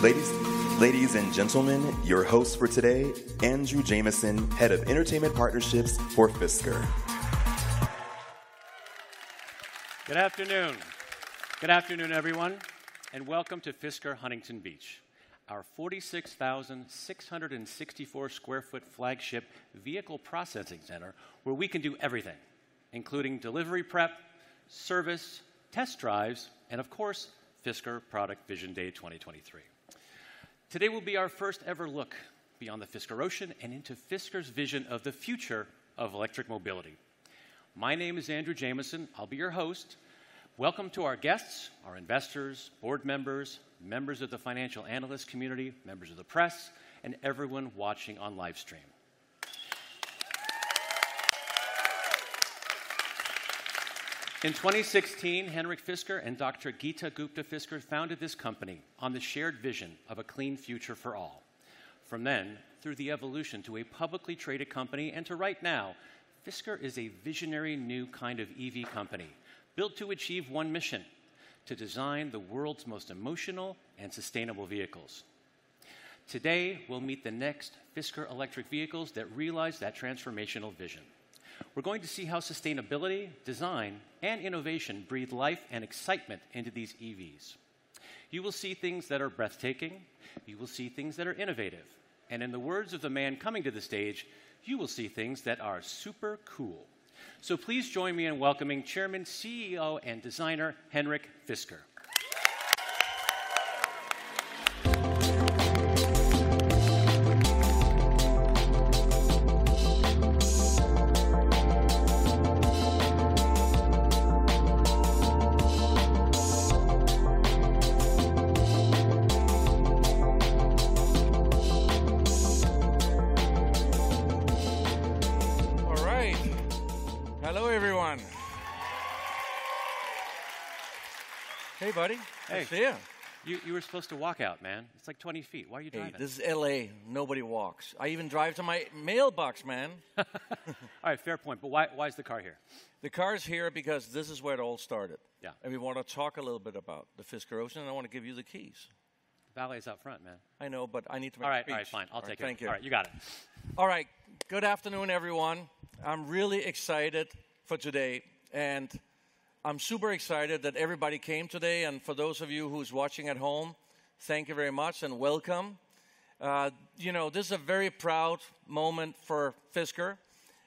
Ladies, and gentlemen, your host for today, Andrew Jameson, Head of Entertainment Partnerships for Fisker. Good afternoon. Good afternoon, everyone. Welcome to Fisker Huntington Beach, our 46,664 sq ft flagship vehicle processing center, where we can do everything, including delivery prep, service, test drives, and of course, Fisker Product Vision Day 2023. Today will be our first ever look beyond the Fisker Ocean and into Fisker's vision of the future of electric mobility. My name is Andrew Jameson. I'll be your host. Welcome to our guests, our investors, board members, members of the financial analyst community, members of the press, and everyone watching on live stream. In 2016, Henrik Fisker and Dr. Geeta Gupta-Fisker founded this company on the shared vision of a clean future for all. From then, through the evolution to a publicly traded company and to right now, Fisker is a visionary, new kind of EV company, built to achieve one mission: to design the world's most emotional and sustainable vehicles. Today, we'll meet the next Fisker electric vehicles that realize that transformational vision. We're going to see how sustainability, design, and innovation breathe life and excitement into these EVs. You will see things that are breathtaking, you will see things that are innovative, and in the words of the man coming to the stage, you will see things that are super cool. Please join me in welcoming Chairman, CEO, and Designer, Henrik Fisker. All right. Hello, everyone. Hey, buddy. Hey. Nice to see you. You, you were supposed to walk out, man. It's like 20 feet. Why are you driving? Hey, this is L.A., nobody walks. I even drive to my mailbox, man. All right, fair point. Why, why is the car here? The car is here because this is where it all started. Yeah. We wanna talk a little bit about the Fisker Ocean, and I wanna give you the keys. The valet's out front, man. I know, but I need to make a speech. All right. All right, fine. I'll take it. Thank you. All right, you got it. All right. Good afternoon, everyone. I'm really excited for today, and I'm super excited that everybody came today, and for those of you who's watching at home, thank you very much and welcome. You know, this is a very proud moment for Fisker,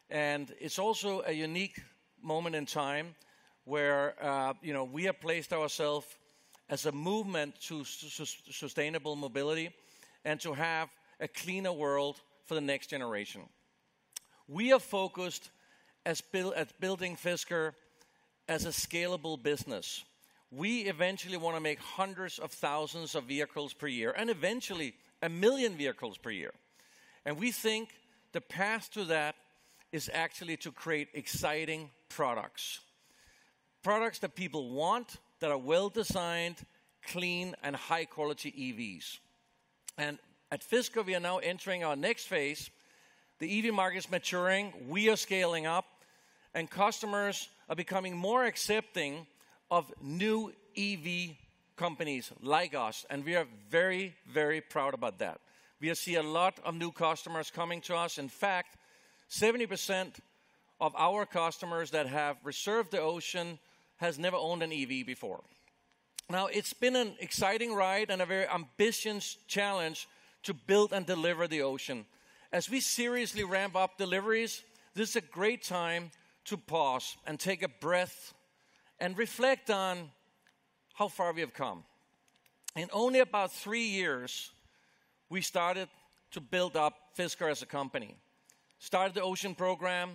and it's also a unique moment in time where, you know, we have placed ourself as a movement to sustainable mobility and to have a cleaner world for the next generation. We are focused at building Fisker as a scalable business. We eventually wanna make hundreds of thousands of vehicles per year, and eventually, a million vehicles per year. We think the path to that is actually to create exciting products, products that people want, that are well-designed, clean, and high-quality EVs. At Fisker, we are now entering our next phase. The EV market is maturing, we are scaling up, and customers are becoming more accepting of new EV companies like us, and we are very, very proud about that. We see a lot of new customers coming to us. In fact, 70% of our customers that have reserved the Ocean has never owned an EV before. Now, it's been an exciting ride and a very ambitious challenge to build and deliver the Ocean. As we seriously ramp up deliveries, this is a great time to pause and take a breath and reflect on how far we have come. In only about three years, we started to build up Fisker as a company, started the Ocean program.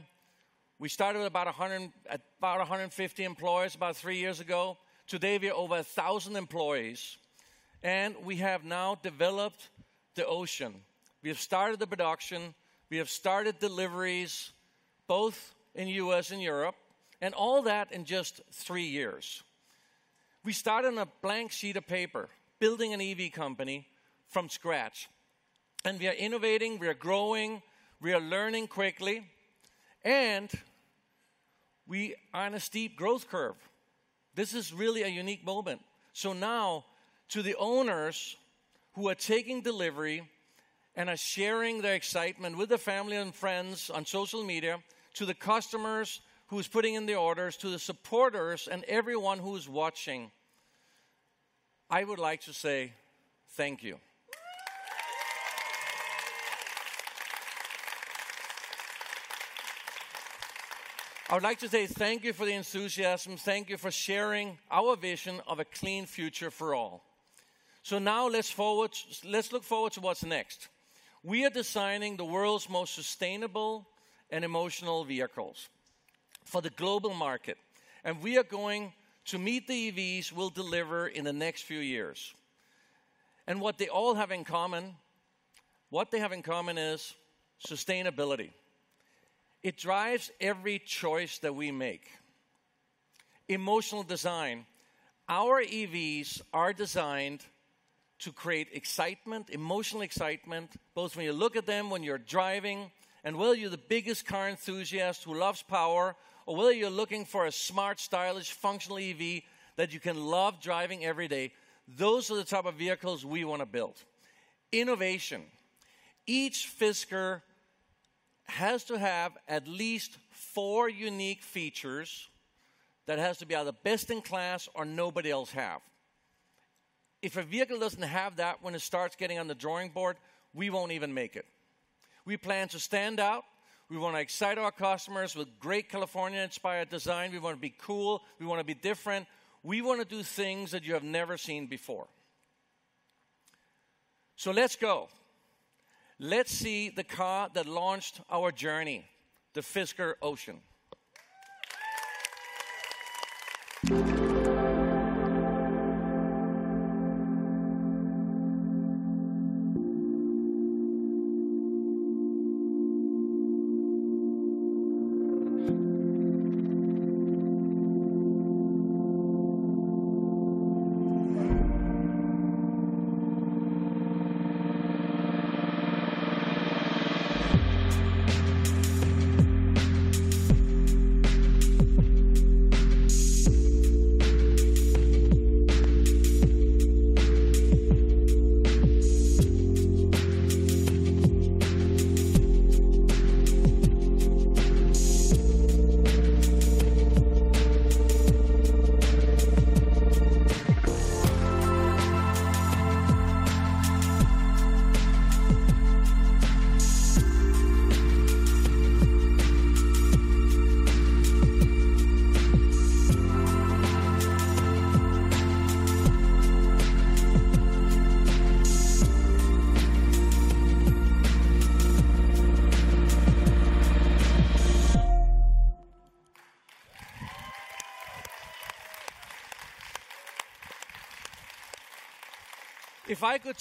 We started about 150 employees about three years ago. Today, we are over 1,000 employees, and we have now developed the Ocean. We have started the production, we have started deliveries, both in U.S. and Europe, and all that in just three years. We started on a blank sheet of paper, building an EV company from scratch, and we are innovating, we are growing, we are learning quickly, and we are on a steep growth curve. This is really a unique moment. Now, to the owners who are taking delivery and are sharing their excitement with their family and friends on social media, to the customers who's putting in the orders, to the supporters and everyone who's watching, I would like to say thank you. I would like to say thank you for the enthusiasm, thank you for sharing our vision of a clean future for all. Now, let's look forward to what's next. We are designing the world's most sustainable and emotional vehicles for the global market, and we are going to meet the EVs we'll deliver in the next few years. What they have in common is sustainability. It drives every choice that we make. Emotional design: Our EVs are designed to create excitement, emotional excitement, both when you look at them, when you're driving. Whether you're the biggest car enthusiast who loves power, or whether you're looking for a smart, stylish, functional EV that you can love driving every day, those are the type of vehicles we wanna build. Innovation: Each Fisker has to have at least four unique features that has to be either best in class or nobody else have. If a vehicle doesn't have that when it starts getting on the drawing board, we won't even make it. We plan to stand out. We wanna excite our customers with great California-inspired design. We wanna be cool, we wanna be different. We wanna do things that you have never seen before. Let's go. Let's see the car that launched our journey, the Fisker Ocean.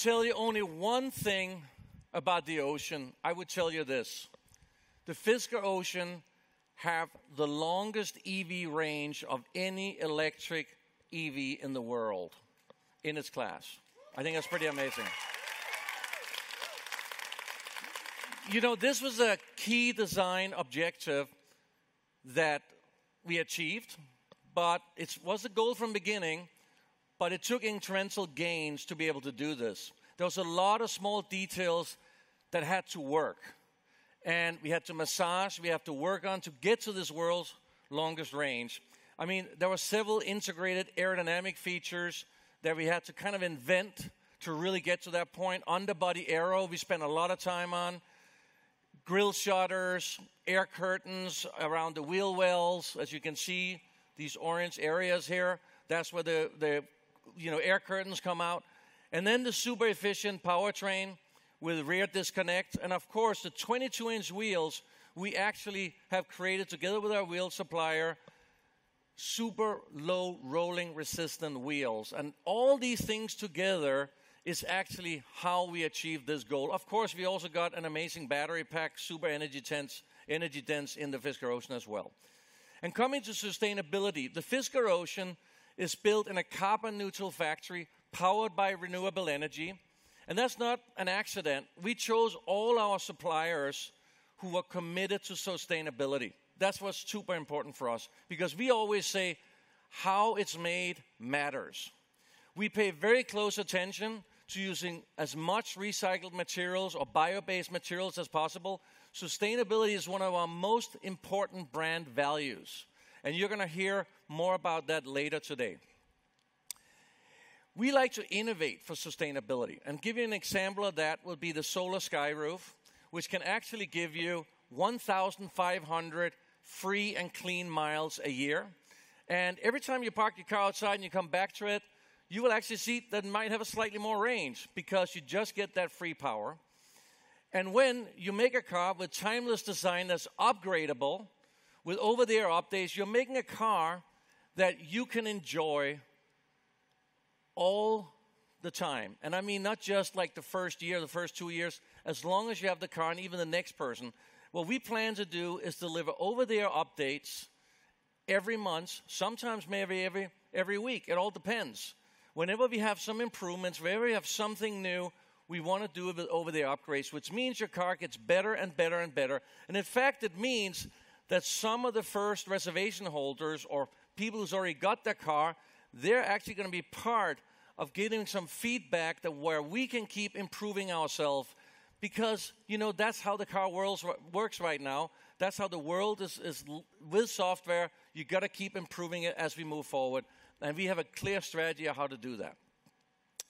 If I could tell you only one thing about the Ocean, I would tell you this: the Fisker Ocean have the longest EV range of any electric EV in the world, in its class. I think that's pretty amazing. You know, this was a key design objective that we achieved, but it was a goal from beginning, but it took incremental gains to be able to do this. There was a lot of small details that had to work, and we had to massage, we have to work on to get to this world's longest range. I mean, there were several integrated aerodynamic features that we had to kind of invent to really get to that point. Underbody aero, we spent a lot of time on, grille shutters, air curtains around the wheel wells. As you can see, these orange areas here, that's where the, you know, air curtains come out. Then the super efficient powertrain with rear disconnect, of course, the 22-inch wheels, we actually have created together with our wheel supplier, super low rolling resistance wheels. All these things together is actually how we achieved this goal. Of course, we also got an amazing battery pack, super energy dense in the Fisker Ocean as well. Coming to sustainability, the Fisker Ocean is built in a carbon-neutral factory, powered by renewable energy, and that's not an accident. We chose all our suppliers who are committed to sustainability. That's what's super important for us, because we always say, "How it's made matters." We pay very close attention to using as much recycled materials or bio-based materials as possible. Sustainability is one of our most important brand values. You're gonna hear more about that later today. We like to innovate for sustainability. Give you an example of that would be the SolarSky roof, which can actually give you 1,500 free and clean miles a year. Every time you park your car outside and you come back to it, you will actually see that it might have a slightly more range because you just get that free power. When you make a car with timeless design that's upgradeable, with over-the-air updates, you're making a car that you can enjoy all the time. I mean, not just like the first year, the first two years, as long as you have the car and even the next person. What we plan to do is deliver over-the-air updates every month, sometimes maybe every week. It all depends. Whenever we have some improvements, whenever we have something new, we wanna do over-the-air upgrades, which means your car gets better and better and better. In fact, it means that some of the first reservation holders or people who's already got their car, they're actually gonna be part of giving some feedback to where we can keep improving ourself, because, you know, that's how the car world works right now. That's how the world is, with software, you gotta keep improving it as we move forward, and we have a clear strategy on how to do that.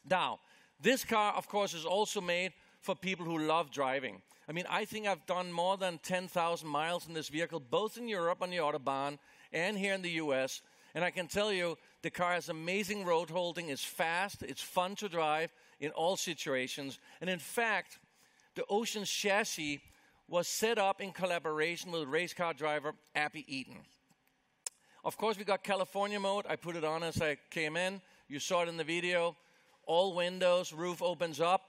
Now, this car, of course, is also made for people who love driving. I mean, I think I've done more than 10,000 miles in this vehicle, both in Europe on the Autobahn and here in the U.S., and I can tell you, the car has amazing road holding, it's fast, it's fun to drive in all situations. In fact, the Ocean's chassis was set up in collaboration with race car driver, Abbie Eaton. Of course, we got California Mode. I put it on as I came in. You saw it in the video. All windows, roof opens up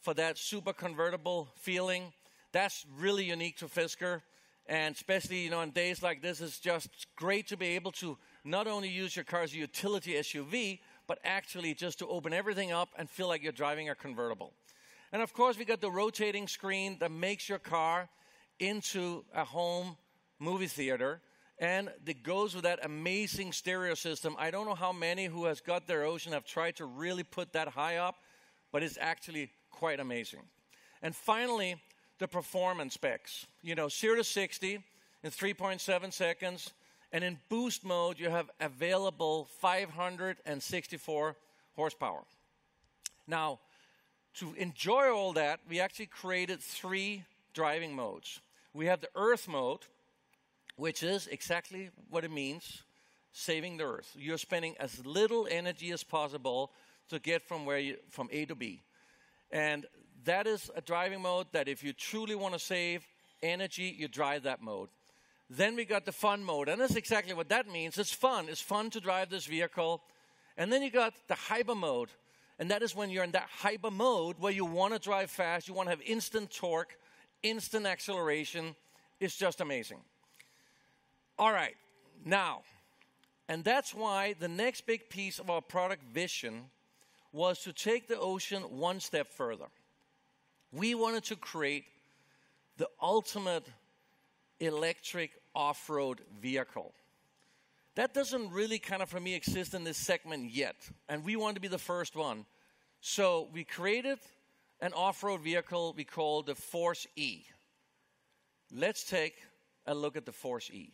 for that super convertible feeling. That's really unique to Fisker, and especially, you know, on days like this, it's just great to be able to not only use your car as a utility SUV, but actually just to open everything up and feel like you're driving a convertible. Of course, we got the rotating screen that makes your car into a home movie theater, and it goes with that amazing stereo system. I don't know how many who has got their Ocean have tried to really put that high up, but it's actually quite amazing. Finally, the performance specs. You know, 0-60 in 3.7 seconds, and in Boost Mode, you have available 564 horsepower. Now, to enjoy all that, we actually created three driving modes. We have the Earth mode, which is exactly what it means, saving the Earth. You're spending as little energy as possible to get from where you from A to B. That is a driving mode that if you truly wanna save energy, you drive that mode. We got the Fun mode, and that's exactly what that means. It's fun. It's fun to drive this vehicle. Then you got the Hyper mode, and that is when you're in that Hyper mode, where you wanna drive fast, you wanna have instant torque, instant acceleration. It's just amazing. All right. Now. That's why the next big piece of our Product Vision was to take the Ocean one step further. We wanted to create the ultimate electric off-road vehicle. That doesn't really kind of, for me, exist in this segment yet, and we want to be the first one. We created an off-road vehicle we call the Force E. Let's take a look at the Force E.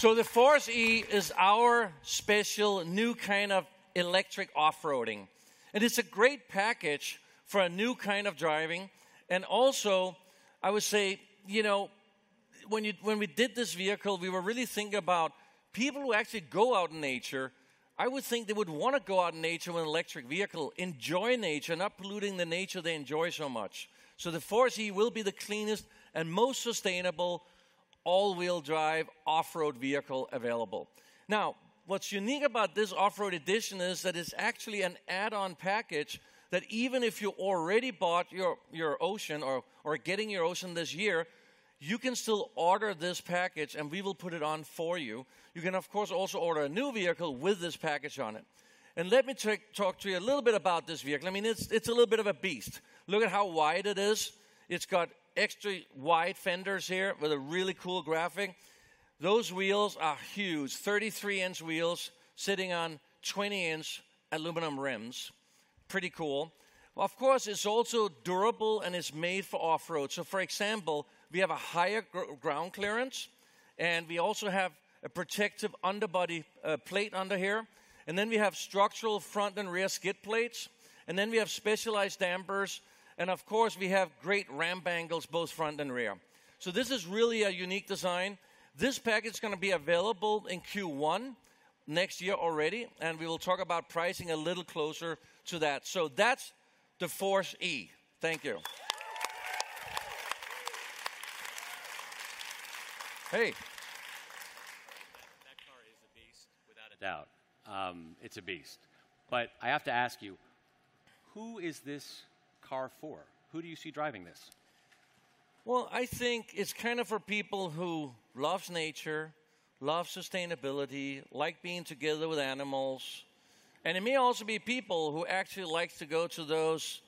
The Force E is our special new kind of electric off-roading, and it's a great package for a new kind of driving. Also, I would say, you know, when we did this vehicle, we were really thinking about people who actually go out in nature. I would think they would wanna go out in nature in an electric vehicle, enjoy nature, not polluting the nature they enjoy so much. The Force E will be the cleanest and most sustainable all-wheel drive off-road vehicle available. Now, what's unique about this off-road edition is that it's actually an add-on package that even if you already bought your Ocean or are getting your Ocean this year, you can still order this package, and we will put it on for you. You can, of course, also order a new vehicle with this package on it. Let me talk to you a little bit about this vehicle. I mean, it's, it's a little bit of a beast. Look at how wide it is. It's got extra wide fenders here with a really cool graphic. Those wheels are huge, 33-inch wheels sitting on 20-inch aluminum rims. Pretty cool. Of course, it's also durable, and it's made for off-road. For example, we have a higher ground clearance, and we also have a protective underbody plate under here, and then we have structural front and rear skid plates, and then we have specialized dampers, and of course, we have great ramp angles, both front and rear. This is really a unique design. This package is gonna be available in Q1 next year already, and we will talk about pricing a little closer to that. That's the Force E. Thank you. Hey! That car is a beast, without a doubt. It's a beast. I have to ask you, who is this car for? Who do you see driving this? Well, I think it's kind of for people who loves nature, love sustainability, like being together with animals. It may also be people who actually likes to go to those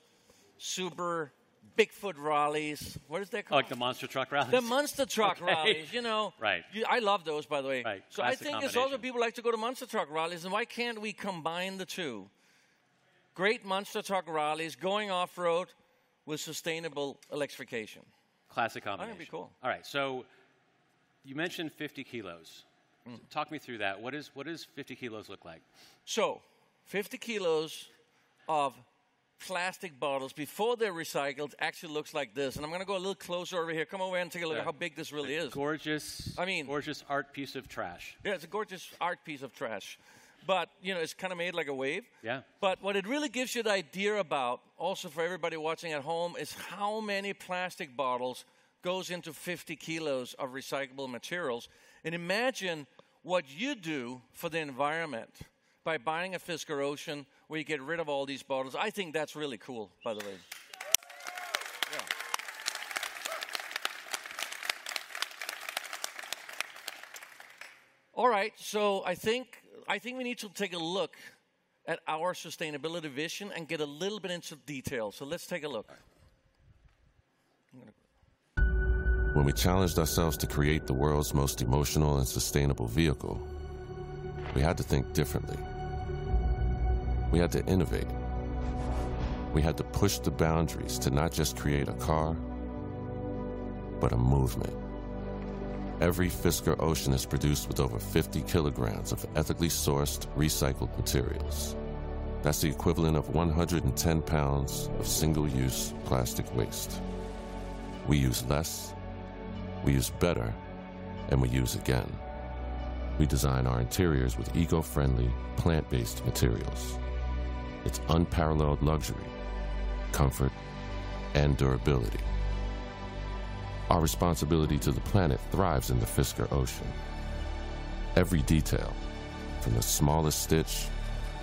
super bigfoot rallies. What is that called? Like the monster truck rallies? The monster truck rallies, you know? Right. I love those, by the way. Right. Classic combination. I think it's also people who like to go to monster truck rallies, and why can't we combine the two? Great monster truck rallies, going off-road with sustainable electrification. Classic combination. That'd be cool. All right, you mentioned 50 kilos. Mm. Talk me through that. What does 50 kilos look like? 50 kilos of plastic bottles before they're recycled actually looks like this, and I'm gonna go a little closer over here. Come over and take a look. Yeah. at how big this really is. Gorgeous- I mean... Gorgeous art piece of trash. Yeah, it's a gorgeous art piece of trash, but, you know, it's kinda made like a wave. Yeah. What it really gives you the idea about, also for everybody watching at home, is how many plastic bottles goes into 50 kilos of recyclable materials. Imagine what you do for the environment by buying a Fisker Ocean, where you get rid of all these bottles. I think that's really cool, by the way. Yeah. All right, I think, I think we need to take a look at our sustainability vision and get a little bit into detail. Let's take a look. All right. When we challenged ourselves to create the world's most emotional and sustainable vehicle, we had to think differently.... We had to innovate. We had to push the boundaries to not just create a car, but a movement. Every Fisker Ocean is produced with over 50 kilograms of ethically sourced, recycled materials. That's the equivalent of 110 pounds of single-use plastic waste. We use less, we use better, and we use again. We design our interiors with eco-friendly, plant-based materials. It's unparalleled luxury, comfort, and durability. Our responsibility to the planet thrives in the Fisker Ocean. Every detail, from the smallest stitch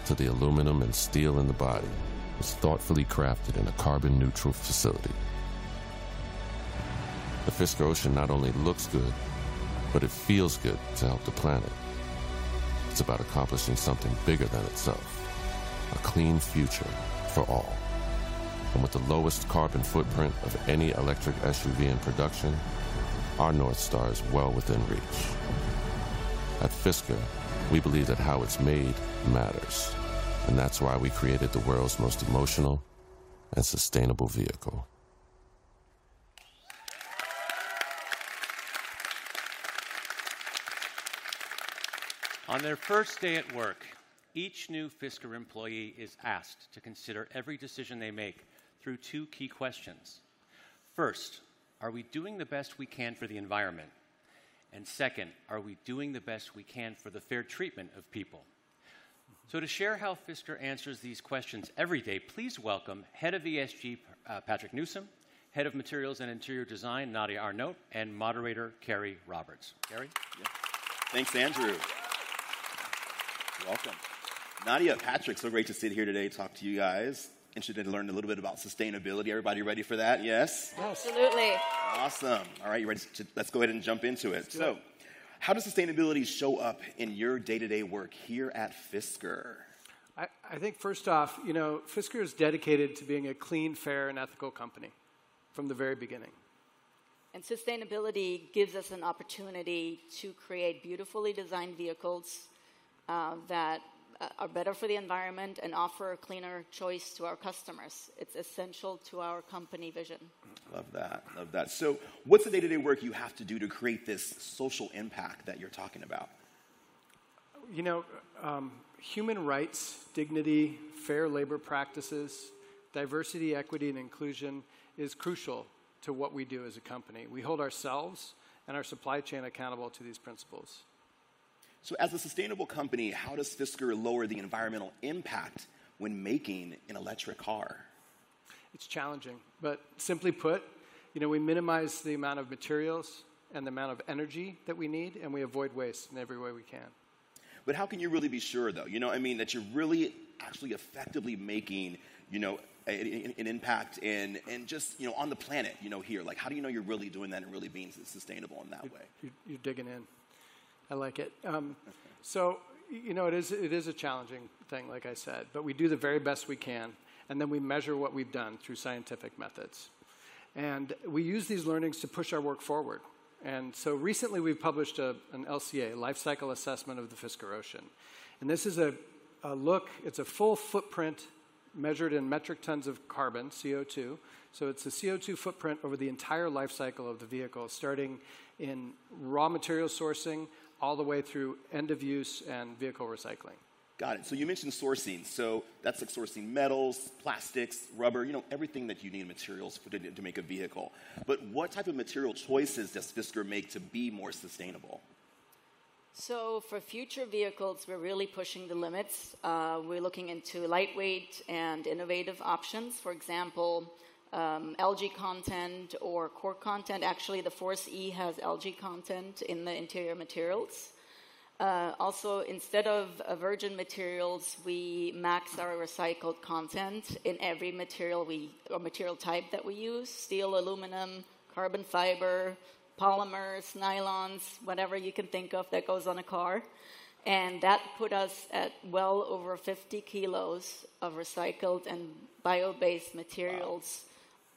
to the aluminum and steel in the body, is thoughtfully crafted in a carbon-neutral facility. The Fisker Ocean not only looks good, but it feels good to help the planet. It's about accomplishing something bigger than itself: a clean future for all. With the lowest carbon footprint of any electric SUV in production, our North Star is well within reach. At Fisker, we believe that how it's made matters, and that's why we created the world's most emotional and sustainable vehicle. On their first day at work, each new Fisker employee is asked to consider every decision they make through two key questions. First, are we doing the best we can for the environment? Second, are we doing the best we can for the fair treatment of people? To share how Fisker answers these questions every day, please welcome Head of ESG, Patrick Newsom, Head of Materials and Interior Design, Nadya Arnaout, and moderator, Kerrie Roberts. Kerrie? Yeah. Thanks, Andrew. Welcome. Nadya, Patrick, so great to sit here today and talk to you guys, and today to learn a little bit about sustainability. Everybody ready for that? Yes? Yes. Absolutely. Awesome. All right, you ready to? Let's go ahead and jump into it. Let's do it. How does sustainability show up in your day-to-day work here at Fisker? I, I think first off, you know, Fisker is dedicated to being a clean, fair, and ethical company from the very beginning. Sustainability gives us an opportunity to create beautifully designed vehicles that are better for the environment and offer a cleaner choice to our customers. It's essential to our company vision. Love that. Love that. What's the day-to-day work you have to do to create this social impact that you're talking about? You know, human rights, dignity, fair labor practices, diversity, equity, and inclusion is crucial to what we do as a company. We hold ourselves and our supply chain accountable to these principles. As a sustainable company, how does Fisker lower the environmental impact when making an electric car? It's challenging, simply put, you know, we minimize the amount of materials and the amount of energy that we need, and we avoid waste in every way we can. How can you really be sure, though? You know, I mean, that you're really, actually, effectively making, you know, a, an, an impact in, in just, you know, on the planet, you know, here? Like, how do you know you're really doing that and really being sustainable in that way? You're, you're digging in. I like it. Okay. You know, it is, it is a challenging thing, like I said, but we do the very best we can, and then we measure what we've done through scientific methods. We use these learnings to push our work forward. Recently, we've published a, an LCA, life cycle assessment, of the Fisker Ocean, and this is a, a look... It's a full footprint measured in metric tons of carbon, CO2. It's a CO2 footprint over the entire life cycle of the vehicle, starting in raw material sourcing all the way through end of use and vehicle recycling. Got it. You mentioned sourcing, so that's like sourcing metals, plastics, rubber, you know, everything that you need in materials to, to make a vehicle. What type of material choices does Fisker make to be more sustainable? For future vehicles, we're really pushing the limits. We're looking into lightweight and innovative options. For example, algae content or cork content. Actually, the Force E has algae content in the interior materials. Also, instead of virgin materials, we max our recycled content in every material we, or material type that we use: steel, aluminum, carbon fiber, polymers, nylons, whatever you can think of that goes on a car. That put us at well over 50 kilos of recycled and bio-based materials.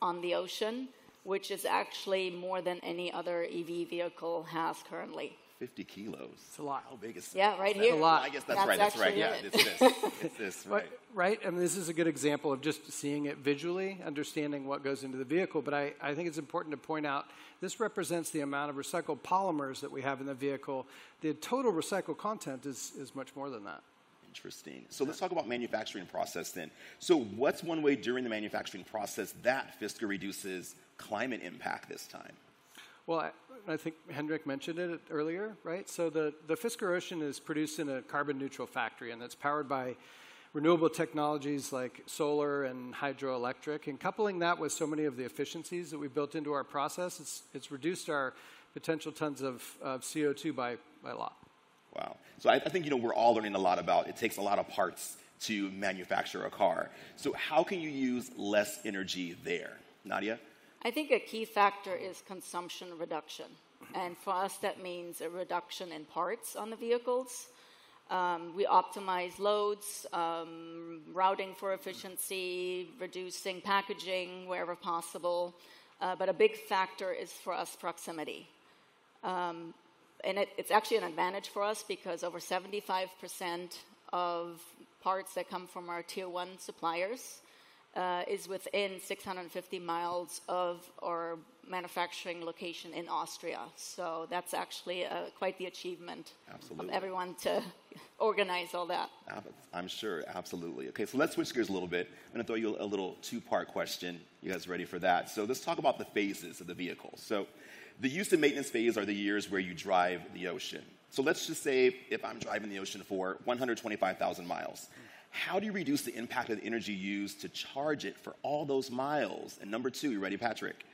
Wow. on the Ocean, which is actually more than any other EV has currently. 50 kilos. It's a lot. How big is it? Yeah, right here. It's a lot. I guess that's right. That's actually it. Yeah, it's this. It's this, right. Right, this is a good example of just seeing it visually, understanding what goes into the vehicle, but I, I think it's important to point out, this represents the amount of recycled polymers that we have in the vehicle. The total recycled content is, is much more than that. Interesting. Yeah. Let's talk about manufacturing process then. What's one way during the manufacturing process that Fisker reduces climate impact this time? Well, I think Henrik mentioned it earlier, right? The Fisker Ocean is produced in a carbon-neutral factory, and it's powered by renewable technologies like solar and hydroelectric. Coupling that with so many of the efficiencies that we've built into our process, it's reduced our potential tons of CO2 by a lot. Wow! I, I think, you know, we're all learning a lot about it takes a lot of parts to manufacture a car. How can you use less energy there? Nadya? I think a key factor is consumption reduction. Mm-hmm. For us, that means a reduction in parts on the vehicles. We optimize loads, routing for efficiency. Mm reducing packaging wherever possible. A big factor is, for us, proximity. It, it's actually an advantage for us, because over 75% of parts that come from our tier one suppliers, is within 650 miles of our manufacturing location in Austria. That's actually, quite the achievement. Absolutely. for everyone to organize all that. I'm sure. Absolutely. Let's switch gears a little bit. I'm gonna throw you a little two-part question. You guys ready for that? Let's talk about the phases of the vehicle. The use and maintenance phase are the years where you drive the Ocean. Let's just say if I'm driving the Ocean for 125,000 miles, how do you reduce the impact of the energy used to charge it for all those miles? Number two... You ready, Patrick?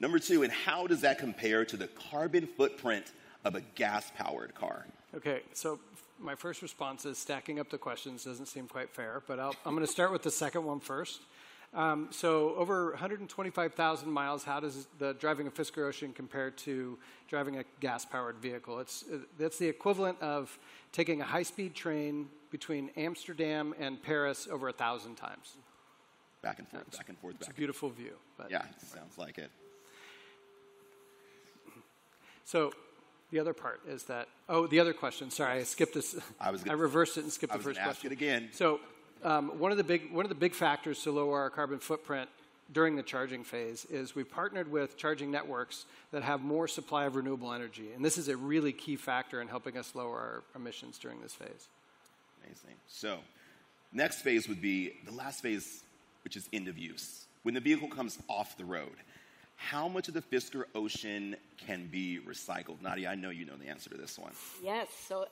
Number two, and how does that compare to the carbon footprint of a gas-powered car? Okay. My first response is, stacking up the questions doesn't seem quite fair, but I'm gonna start with the second one first. Over 125,000 miles, how does the driving a Fisker Ocean compare to driving a gas-powered vehicle? It's, that's the equivalent of taking a high-speed train between Amsterdam and Paris over 1,000x. Back and forth, back and forth. It's a beautiful view, but- Yeah, it sounds like it. The other part is that. Oh, the other question, sorry, I skipped this. I was. I reversed it and skipped the first question. I was gonna ask it again. One of the big factors to lower our carbon footprint during the charging phase is, we partnered with charging networks that have more supply of renewable energy, and this is a really key factor in helping us lower our emissions during this phase. Amazing. Next phase would be the last phase, which is end of use. When the vehicle comes off the road, how much of the Fisker Ocean can be recycled? Nadya, I know you know the answer to this one. Yes.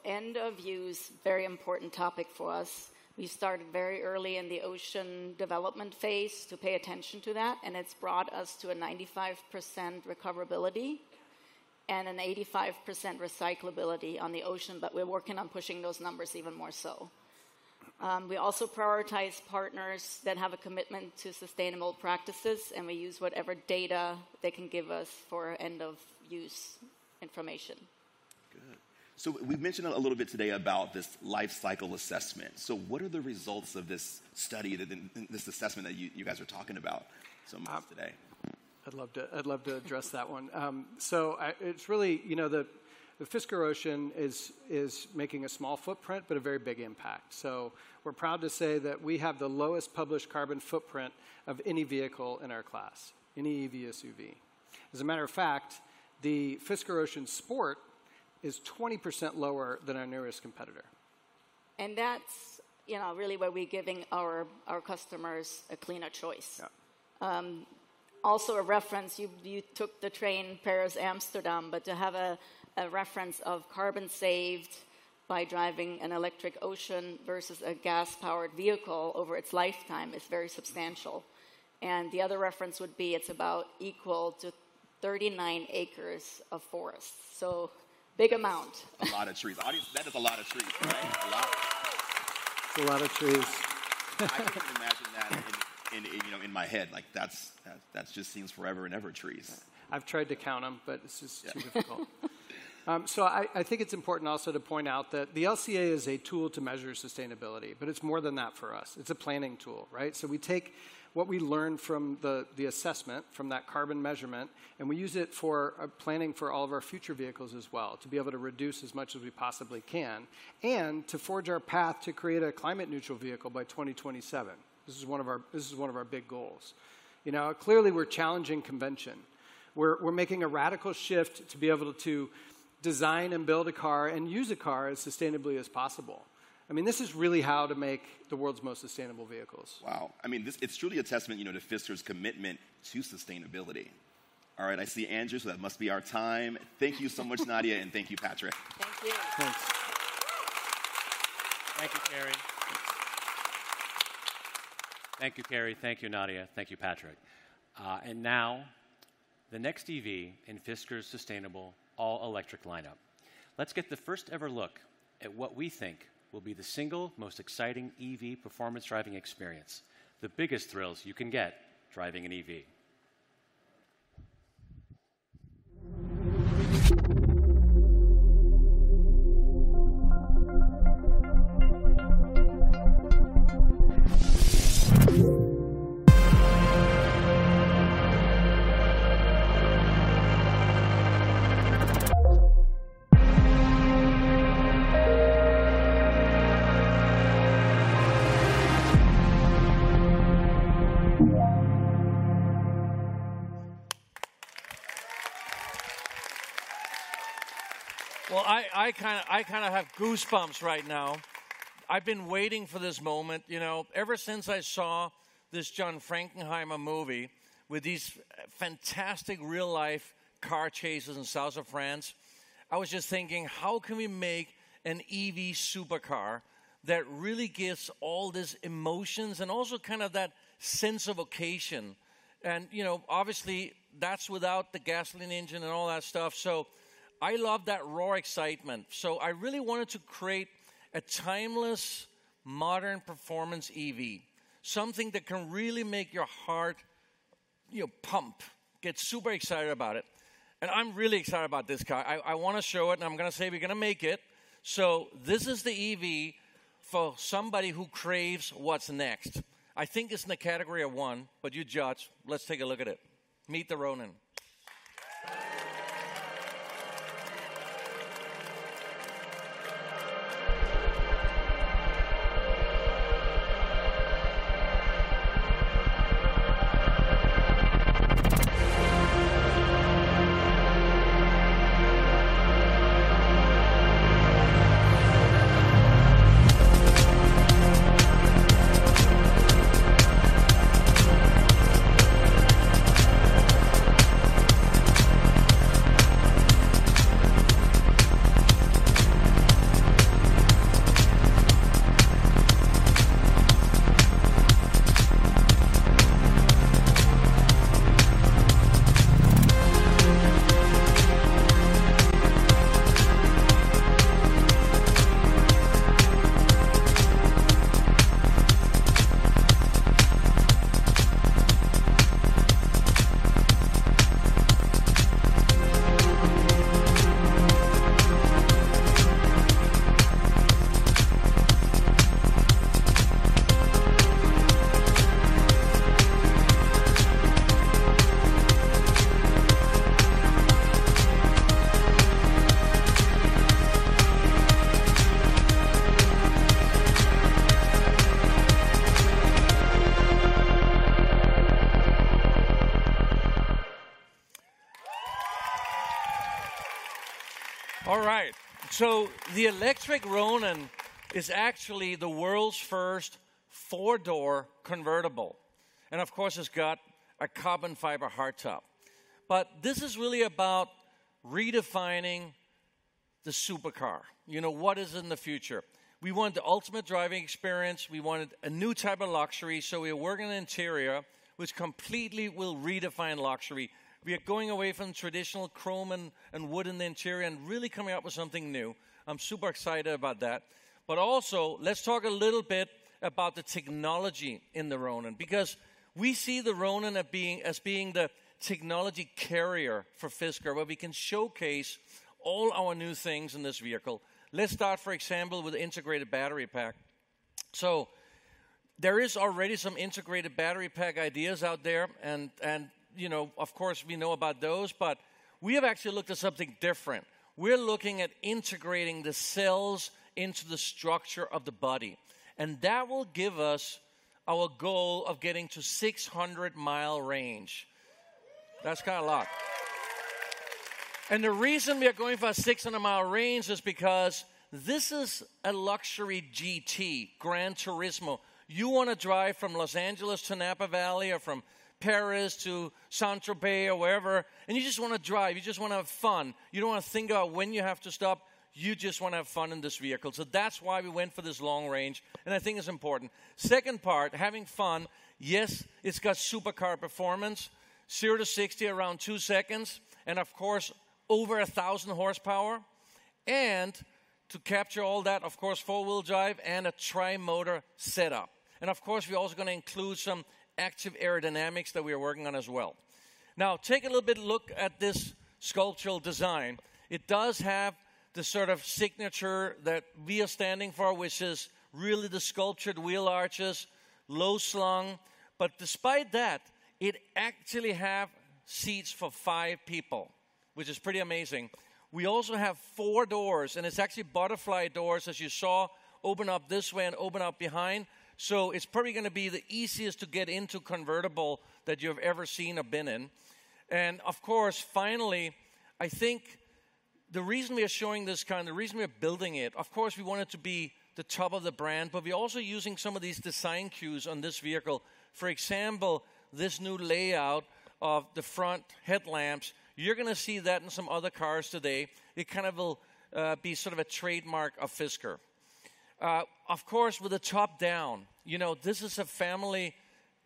End of use, very important topic for us. We started very early in the Ocean development phase to pay attention to that, and it's brought us to a 95% recoverability and an 85% recyclability on the Ocean, but we're working on pushing those numbers even more so. We also prioritize partners that have a commitment to sustainable practices, and we use whatever data they can give us for end of use information. Good. We've mentioned a little bit today about this life cycle assessment. What are the results of this study that, this assessment that you, you guys are talking about so much today? I'd love to, I'd love to address that one. it's really, you know, the Fisker Ocean is, is making a small footprint, but a very big impact. We're proud to say that we have the lowest published carbon footprint of any vehicle in our class, any EV SUV. As a matter of fact, the Fisker Ocean Sport is 20% lower than our nearest competitor. That's, you know, really where we're giving our, our customers a cleaner choice. Yeah. Also a reference, you, you took the train Paris, Amsterdam, but to have a, a reference of carbon saved by driving an electric Ocean versus a gas-powered vehicle over its lifetime is very substantial. The other reference would be, it's about equal to 39 acres of forest. Big amount. A lot of trees. Audience, that is a lot of trees, right? A lot. It's a lot of trees. I couldn't imagine that in, you know, in my head, like, that's just seems forever and ever trees. I've tried to count them, but it's just too difficult. I, I think it's important also to point out that the LCA is a tool to measure sustainability, but it's more than that for us. It's a planning tool, right? We take what we learn from the, the assessment, from that carbon measurement, and we use it for planning for all of our future vehicles as well, to be able to reduce as much as we possibly can, and to forge our path to create a climate neutral vehicle by 2027. This is one of our big goals. You know, clearly, we're challenging convention. We're, we're making a radical shift to be able to design and build a car and use a car as sustainably as possible. I mean, this is really how to make the world's most sustainable vehicles. Wow! I mean, this- it's truly a testament, you know, to Fisker's commitment to sustainability. All right, I see Andrew. That must be our time. Thank you so much, Nadya, and thank you, Patrick. Thank you. Thanks. Thank you, Kerrie. Thank you, Kerrie. Thank you, Nadya. Thank you, Patrick. Now the next EV in Fisker's sustainable all-electric lineup. Let's get the first ever look at what we think will be the single most exciting EV performance driving experience, the biggest thrills you can get driving an EV. Well, I, I kinda, I kinda have goosebumps right now. I've been waiting for this moment, you know, ever since I saw this John Frankenheimer movie with these fantastic real-life car chases in South of France. I was just thinking: How can we make an EV supercar that really gives all these emotions and also kind of that sense of occasion? You know, obviously, that's without the gasoline engine and all that stuff, so I love that raw excitement. I really wanted to create a timeless, modern performance EV, something that can really make your heart, you know, pump, get super excited about it, and I'm really excited about this car. I, I wanna show it, and I'm gonna say we're gonna make it. This is the EV... for somebody who craves what's next. I think it's in the category of one, but you judge. Let's take a look at it. Meet the Ronin. All right. The electric Ronin is actually the world's first four-door convertible, and of course, it's got a carbon fiber hardtop. This is really about redefining the supercar. You know, what is in the future? We want the ultimate driving experience. We wanted a new type of luxury, so we are working on an interior, which completely will redefine luxury. We are going away from traditional chrome and, and wood in the interior and really coming up with something new. I'm super excited about that. Also, let's talk a little bit about the technology in the Ronin, because we see the Ronin as being the technology carrier for Fisker, where we can showcase all our new things in this vehicle. Let's start, for example, with the integrated battery pack. There is already some integrated battery pack ideas out there and, you know, of course, we know about those, but we have actually looked at something different. We're looking at integrating the cells into the structure of the body, and that will give us our goal of getting to 600-mile range. That's kinda a lot. The reason we are going for a 600-mile range is because this is a luxury GT, Gran Turismo. You wanna drive from L.A. to Napa Valley or from Paris to Saint-Tropez or wherever, and you just wanna drive, you just wanna have fun. You don't wanna think about when you have to stop, you just wanna have fun in this vehicle. That's why we went for this long range, and I think it's important. Second part, having fun, yes, it's got supercar performance, 0-60, around two seconds, and of course, over 1,000 horsepower. To capture all that, of course, 4-wheel drive and a tri-motor setup. Of course, we're also gonna include some active aerodynamics that we are working on as well. Now, take a little bit look at this sculptural design. It does have the sort of signature that we are standing for, which is really the sculptured wheel arches, low slung. Despite that, it actually have seats for five people, which is pretty amazing. We also have four doors, and it's actually butterfly doors, as you saw, open up this way and open up behind. It's probably gonna be the easiest to get into convertible that you've ever seen or been in. Of course, finally, I think the reason we are showing this car and the reason we are building it, of course, we want it to be the top of the brand, but we're also using some of these design cues on this vehicle. For example, this new layout of the front headlamps, you're gonna see that in some other cars today. It kind of will be sort of a trademark of Fisker. Of course, with the top down, you know, this is a family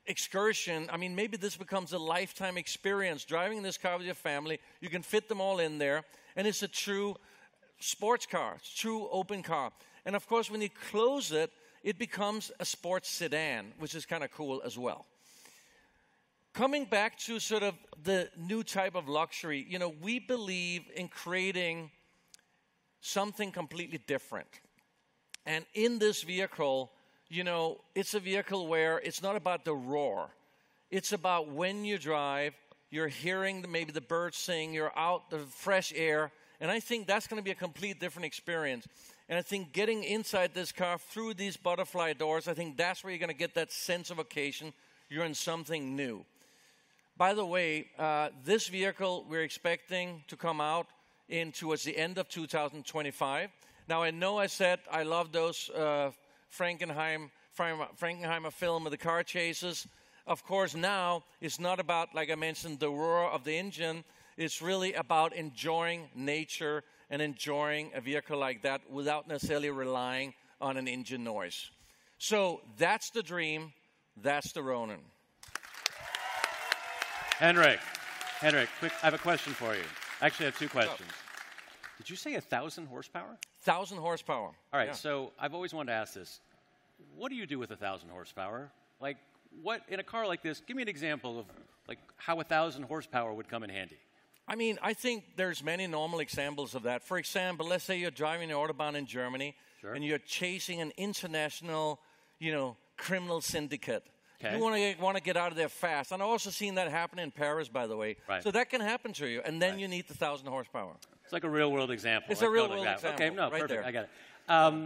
excursion. I mean, maybe this becomes a lifetime experience, driving this car with your family. You can fit them all in there, and it's a true sports car, it's a true open car. Of course, when you close it, it becomes a sports sedan, which is kinda cool as well. Coming back to sort of the new type of luxury, you know, we believe in creating something completely different. In this vehicle, you know, it's a vehicle where it's not about the roar. It's about when you drive, you're hearing the, maybe the birds sing, you're out in the fresh air, and I think that's gonna be a complete different experience. I think getting inside this car through these butterfly doors, I think that's where you're gonna get that sense of occasion. You're in something new. By the way, this vehicle, we're expecting to come out in towards the end of 2025. Now, I know I said I love those Frankenheimer, Frankenheimer film with the car chases. Of course, now, it's not about, like I mentioned, the roar of the engine, it's really about enjoying nature and enjoying a vehicle like that without necessarily relying on an engine noise. That's the dream. That's the Ronin. Henrik, Henrik, quick, I have a question for you. I actually have two questions. Sure. Did you say 1,000 horsepower? 1,000 horsepower. All right. Yeah. I've always wanted to ask this. What do you do with 1,000 horsepower? Like, what. In a car like this, give me an example of, like, how 1,000 horsepower would come in handy. I mean, I think there's many normal examples of that. For example, let's say you're driving the Autobahn in Germany- Sure. You're chasing an international, you know, criminal syndicate. Okay. You wanna get out of there fast. I've also seen that happen in Paris, by the way. Right. that can happen to you- Right. Then you need the 1,000 horsepower. It's like a real-world example. It's a real-world example. Okay, no, perfect. Right there. I got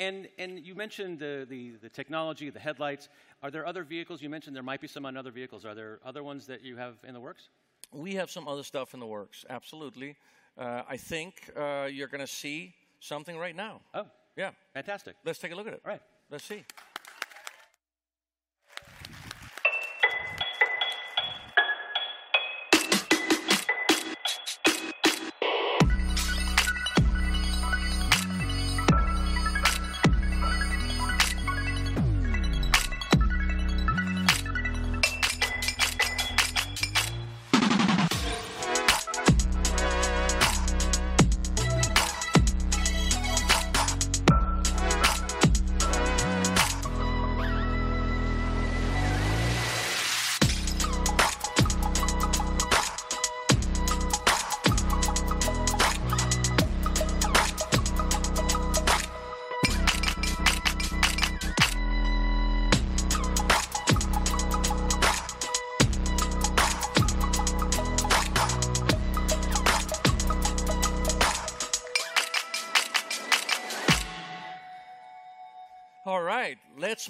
it. And you mentioned the, the, the technology, the headlights. Are there other vehicles? You mentioned there might be some on other vehicles. Are there other ones that you have in the works? We have some other stuff in the works, absolutely. I think, you're gonna see something right now. Oh! Yeah. Fantastic. Let's take a look at it. Right. Let's see. All right,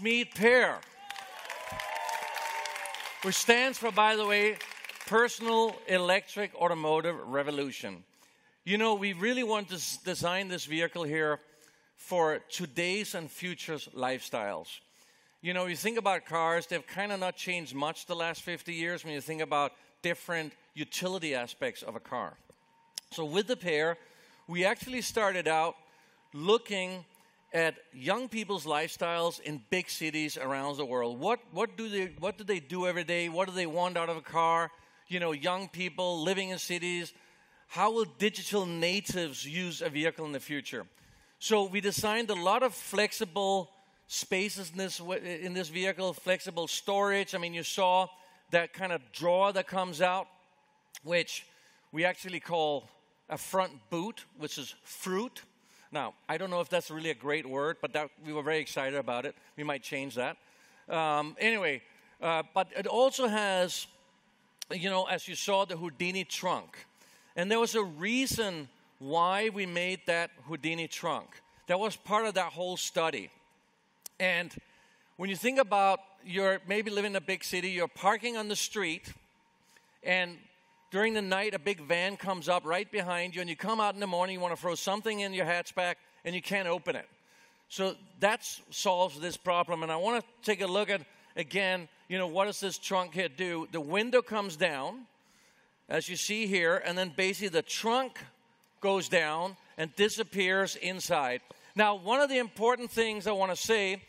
let's meet PEAR. Which stands for, by the way, Personal Electric Automotive Revolution. You know, we really want to design this vehicle here for today's and future's lifestyles. You know, you think about cars, they've kind of not changed much the last 50 years when you think about different utility aspects of a car. So with the PEAR, we actually started out looking at young people's lifestyles in big cities around the world. What, what do they, what do they do every day? What do they want out of a car? You know, young people living in cities, how will digital natives use a vehicle in the future? So we designed a lot of flexible spaces in this vehicle, flexible storage. I mean, you saw that kind of drawer that comes out, which we actually call a front boot, which is froot. I don't know if that's really a great word, but that. We were very excited about it. We might change that. Anyway, but it also has, you know, as you saw, the Houdini trunk, and there was a reason why we made that Houdini trunk. That was part of that whole study. When you think about you're maybe living in a big city, you're parking on the street, and during the night, a big van comes up right behind you, and you come out in the morning, you want to throw something in your hatchback, and you can't open it. That's solves this problem. I want to take a look at, again, you know, what does this trunk here do? The window comes down, as you see here, then basically the trunk goes down and disappears inside. One of the important things I want to say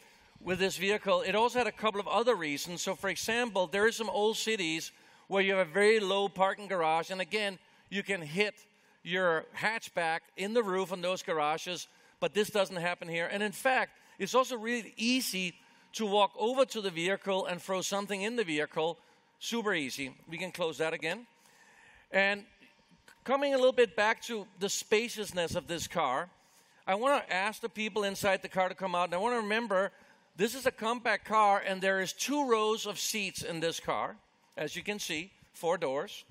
with this vehicle, it also had a couple ofother reasons. For example, there are some old cities where you have a very low parking garage, and again, you can hit your hatchback in the roof on those garages, this doesn't happen here. In fact, it's also really easy to walk over to the vehicle and throw something in the vehicle. Super easy. We can close that again. Coming a little bit back to the spaciousness of this car, I want to ask the people inside the car to come out, and I want to remember, this is a compact car, and there is two rows of seats in this car. As you can see, four doors.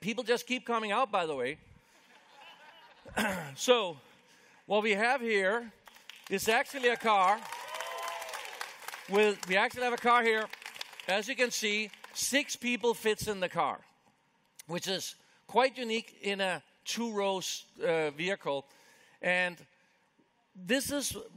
People just keep coming out, by the way. What we have here is actually a car. With... We actually have a car here. As you can see, six people fits in the car, which is quite unique in a two-rows vehicle.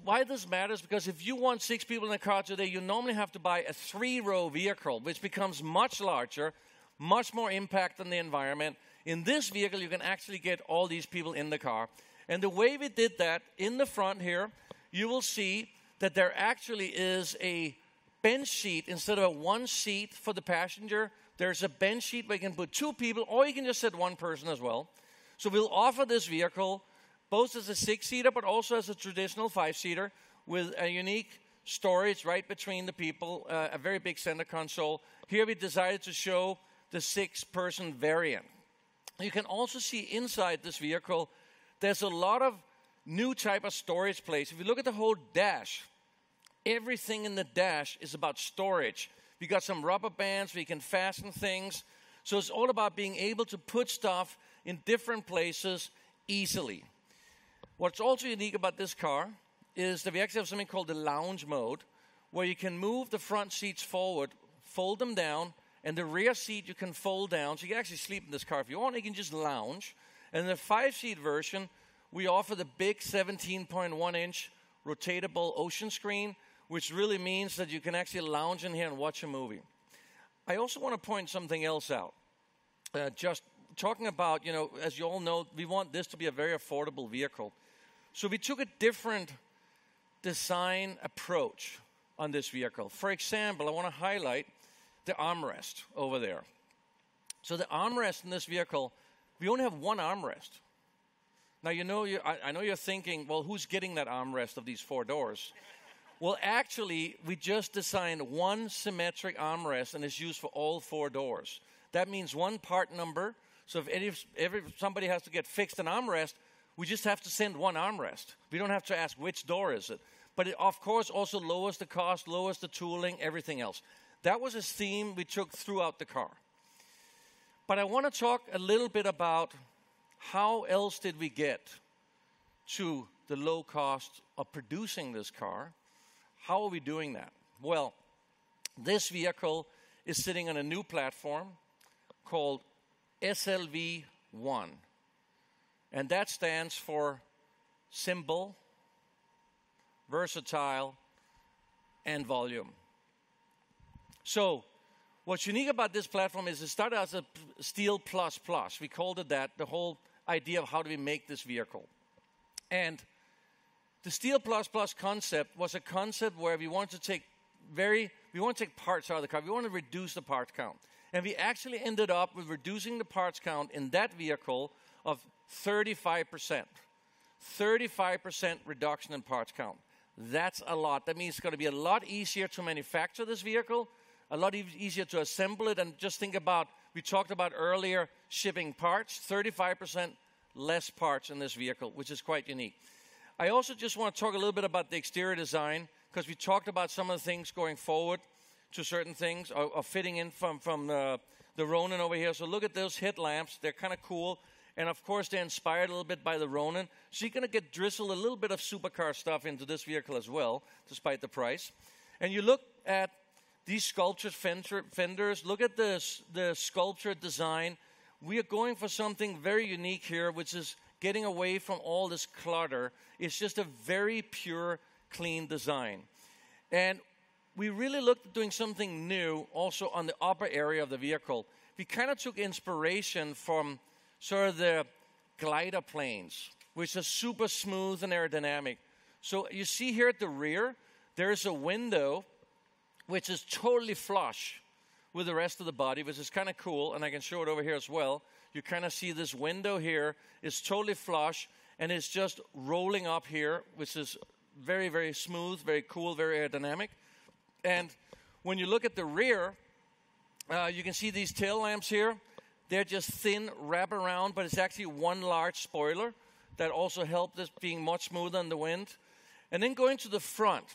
Why this matters, because if you want six people in a car today, you normally have to buy a three-row vehicle, which becomes much larger, much more impact on the environment. In this vehicle, you can actually get all these people in the car. The way we did that, in the front here, you will see that there actually is a bench seat. Instead of one seat for the passenger, there is a bench seat where you can put two people, or you can just sit one person as well. We'll offer this vehicle both as a six-seater, but also as a traditional five-seater with a unique storage right between the people, a very big center console. Here we decided to show the six-person variant. You can also see inside this vehicle, there's a lot of new type of storage place. If you look at the whole dash, everything in the dash is about storage. We got some rubber bands, we can fasten things. It's all about being able to put stuff in different places easily. What's also unique about this car is that we actually have something called the lounge mode, where you can move the front seats forward, fold them down, and the rear seat, you can fold down, so you can actually sleep in this car. If you want, you can just lounge. In the five-seat version, we offer the big 17.1-inch rotatable Ocean screen, which really means that you can actually lounge in here and watch a movie. I also want to point something else out. Just talking about, you know, as you all know, we want this to be a very affordable vehicle, so we took a different design approach on this vehicle. For example, I want to highlight the armrest over there. The armrest in this vehicle, we only have one armrest. Now, you know, I know you're thinking: Well, who's getting that armrest of these four doors? Actually, we just designed one symmetric armrest, and it's used for all four doors. That means one part number, so if any of somebody has to get fixed an armrest, we just have to send one armrest. We don't have to ask, "Which door is it?" It, of course, also lowers the cost, lowers the tooling, everything else. That was a theme we took throughout the car. I wanna talk a little bit about how else did we get to the low cost of producing this car. How are we doing that? Well, this vehicle is sitting on a new platform called SLV1, and that stands for Simple, Versatile, and Volume. What's unique about this platform is it started as a Steel Plus, Plus. We called it that, the whole idea of how do we make this vehicle? The Steel Plus, Plus concept was a concept where we won't take parts out of the car, we want to reduce the parts count. We actually ended up with reducing the parts count in that vehicle of 35%. 35% reduction in parts count. That's a lot. That means it's gonna be a lot easier to manufacture this vehicle, a lot easier to assemble it. Just think about, we talked about earlier, shipping parts. 35% less parts in this vehicle, which is quite unique. I also just want to talk a little bit about the exterior design, 'cause we talked about some of the things going forward to certain things or, or fitting in from, from the, the Ronin over here. Look at those headlamps, they're kind of cool, and of course, they're inspired a little bit by the Ronin. You're gonna get drizzled a little bit of supercar stuff into this vehicle as well, despite the price. You look at these sculptured fenders. Look at the sculptured design. We are going for something very unique here, which is getting away from all this clutter. It's just a very pure, clean design. We really looked at doing something new also on the upper area of the vehicle. We kind of took inspiration from sort of the glider planes, which are super smooth and aerodynamic. You see here at the rear, there is a window which is totally flush with the rest of the body, which is kind of cool, and I can show it over here as well. You kind of see this window here is totally flush, and it's just rolling up here, which is very, very smooth, very cool, very aerodynamic. When you look at the rear, you can see these tail lamps here. They're just thin, wrap around, but it's actually one large spoiler that also helped us being much smoother in the wind. Then going to the front,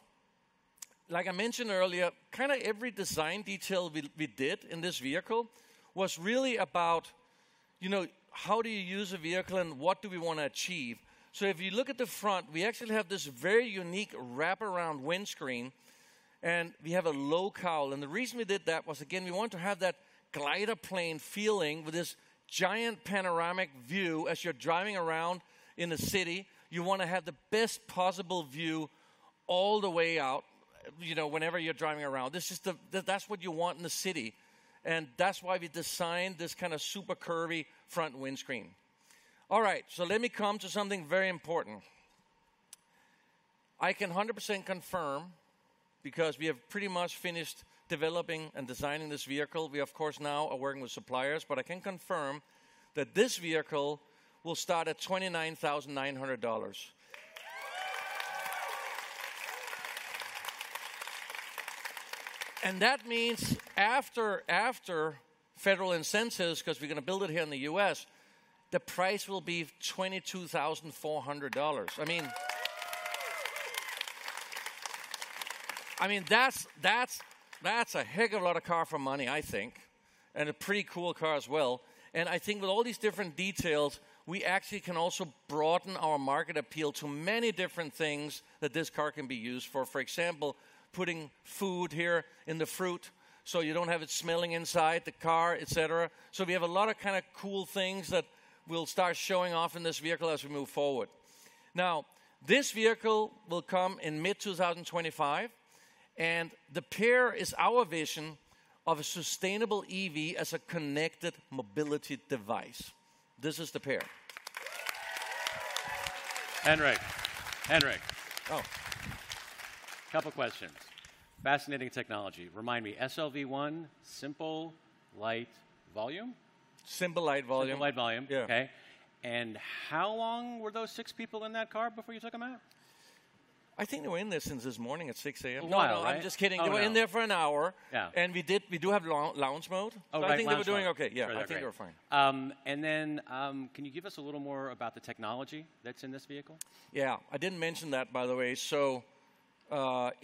like I mentioned earlier, kind of every design detail we, we did in this vehicle was really about, you know, how do you use a vehicle, and what do we want to achieve? If you look at the front, we actually have this very unique wraparound windscreen, and we have a low cowl. The reason we did that was, again, we want to have that glider plane feeling with this giant panoramic view. As you're driving around in the city, you want to have the best possible view all the way out, you know, whenever you're driving around. This is that's what you want in the city, and that's why we designed this kind of super curvy front windscreen. All right, let me come to something very important. I can 100% confirm, because we have pretty much finished developing and designing this vehicle, we, of course, now are working with suppliers, but I can confirm that this vehicle will start at $29,900. That means after, after federal incentives, cause we're gonna build it here in the U.S., the price will be $22,400. I mean, I mean, that's, that's, that's a heck of a lot of car for money, I think, and a pretty cool car as well. I think with all these different details, we actually can also broaden our market appeal to many different things that this car can be used for. For example, putting food here in the froot, so you don't have it smelling inside the car, et cetera. We have a lot of kind of cool things that we'll start showing off in this vehicle as we move forward. This vehicle will come in mid-2025, and the PEAR is our vision of a sustainable EV as a connected mobility device. This is the PEAR. Henrik, Henrik? Oh. Couple questions. Fascinating technology. Remind me, SLV1, simple, light, volume? Simple, light, volume. Simple, light, volume. Yeah. Okay, how long were those six people in that car before you took them out? I think they were in there since this morning at 6:00 A.M. A while, right? No, no, I'm just kidding. Oh, yeah. They were in there for an hour. Yeah. we did. We do have lounge mode. Oh, right, lounge mode. I think they were doing okay. Right. Yeah, I think we're fine. And then, can you give us a little more about the technology that's in this vehicle? Yeah, I didn't mention that, by the way.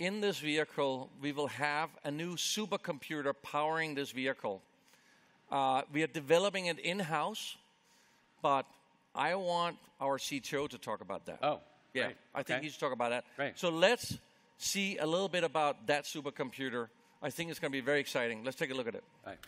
In this vehicle, we will have a new supercomputer powering this vehicle. We are developing it in-house, but I want our CTO to talk about that. Oh, great. Yeah. Okay. I think he's talk about that. Great. Let's see a little bit about that supercomputer. I think it's gonna be very exciting. Let's take a look at it. All right. ...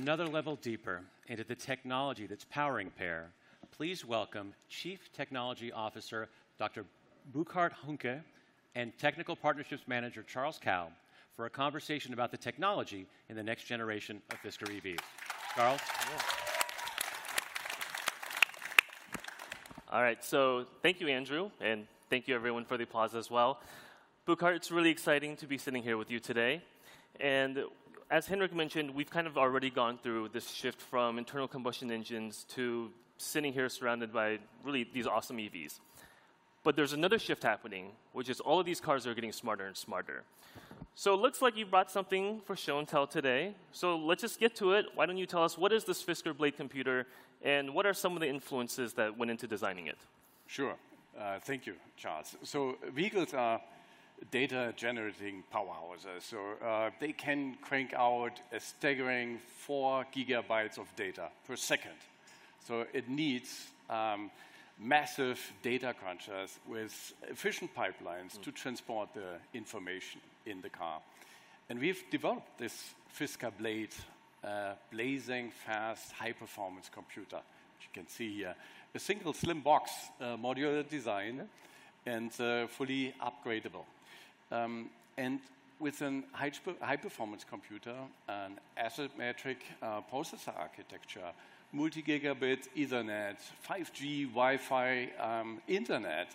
To go another level deeper into the technology that's powering PEAR, please welcome Chief Technology Officer, Dr. Burkhard Huhnke, and Technical Partnerships Manager, Charles Cao, for a conversation about the technology in the next generation of Fisker EVs. Charles? All right. Thank you, Andrew, and thank you everyone for the applause as well. Burkhard, it's really exciting to be sitting here with you today. As Henrik mentioned, we've kind of already gone through this shift from internal combustion engines to sitting here surrounded by really these awesome EVs. There's another shift happening, which is all of these cars are getting smarter and smarter. It looks like you brought something for show and tell today. Let's just get to it. Why don't you tell us, what is this Fisker Blade computer, and what are some of the influences that went into designing it? Sure. Thank you, Charles. Vehicles are data-generating powerhouses, so, they can crank out a staggering 4 GB of data per second. It needs, massive data crunchers with efficient pipelines- Mm. to transport the information in the car. We've developed this Fisker Blade, blazing fast, high-performance computer, which you can see here. A single slim box, modular design, and fully upgradable. With an high-performance computer, an asymmetric processor architecture, multi-gigabit ethernet, 5G Wi-Fi, internet,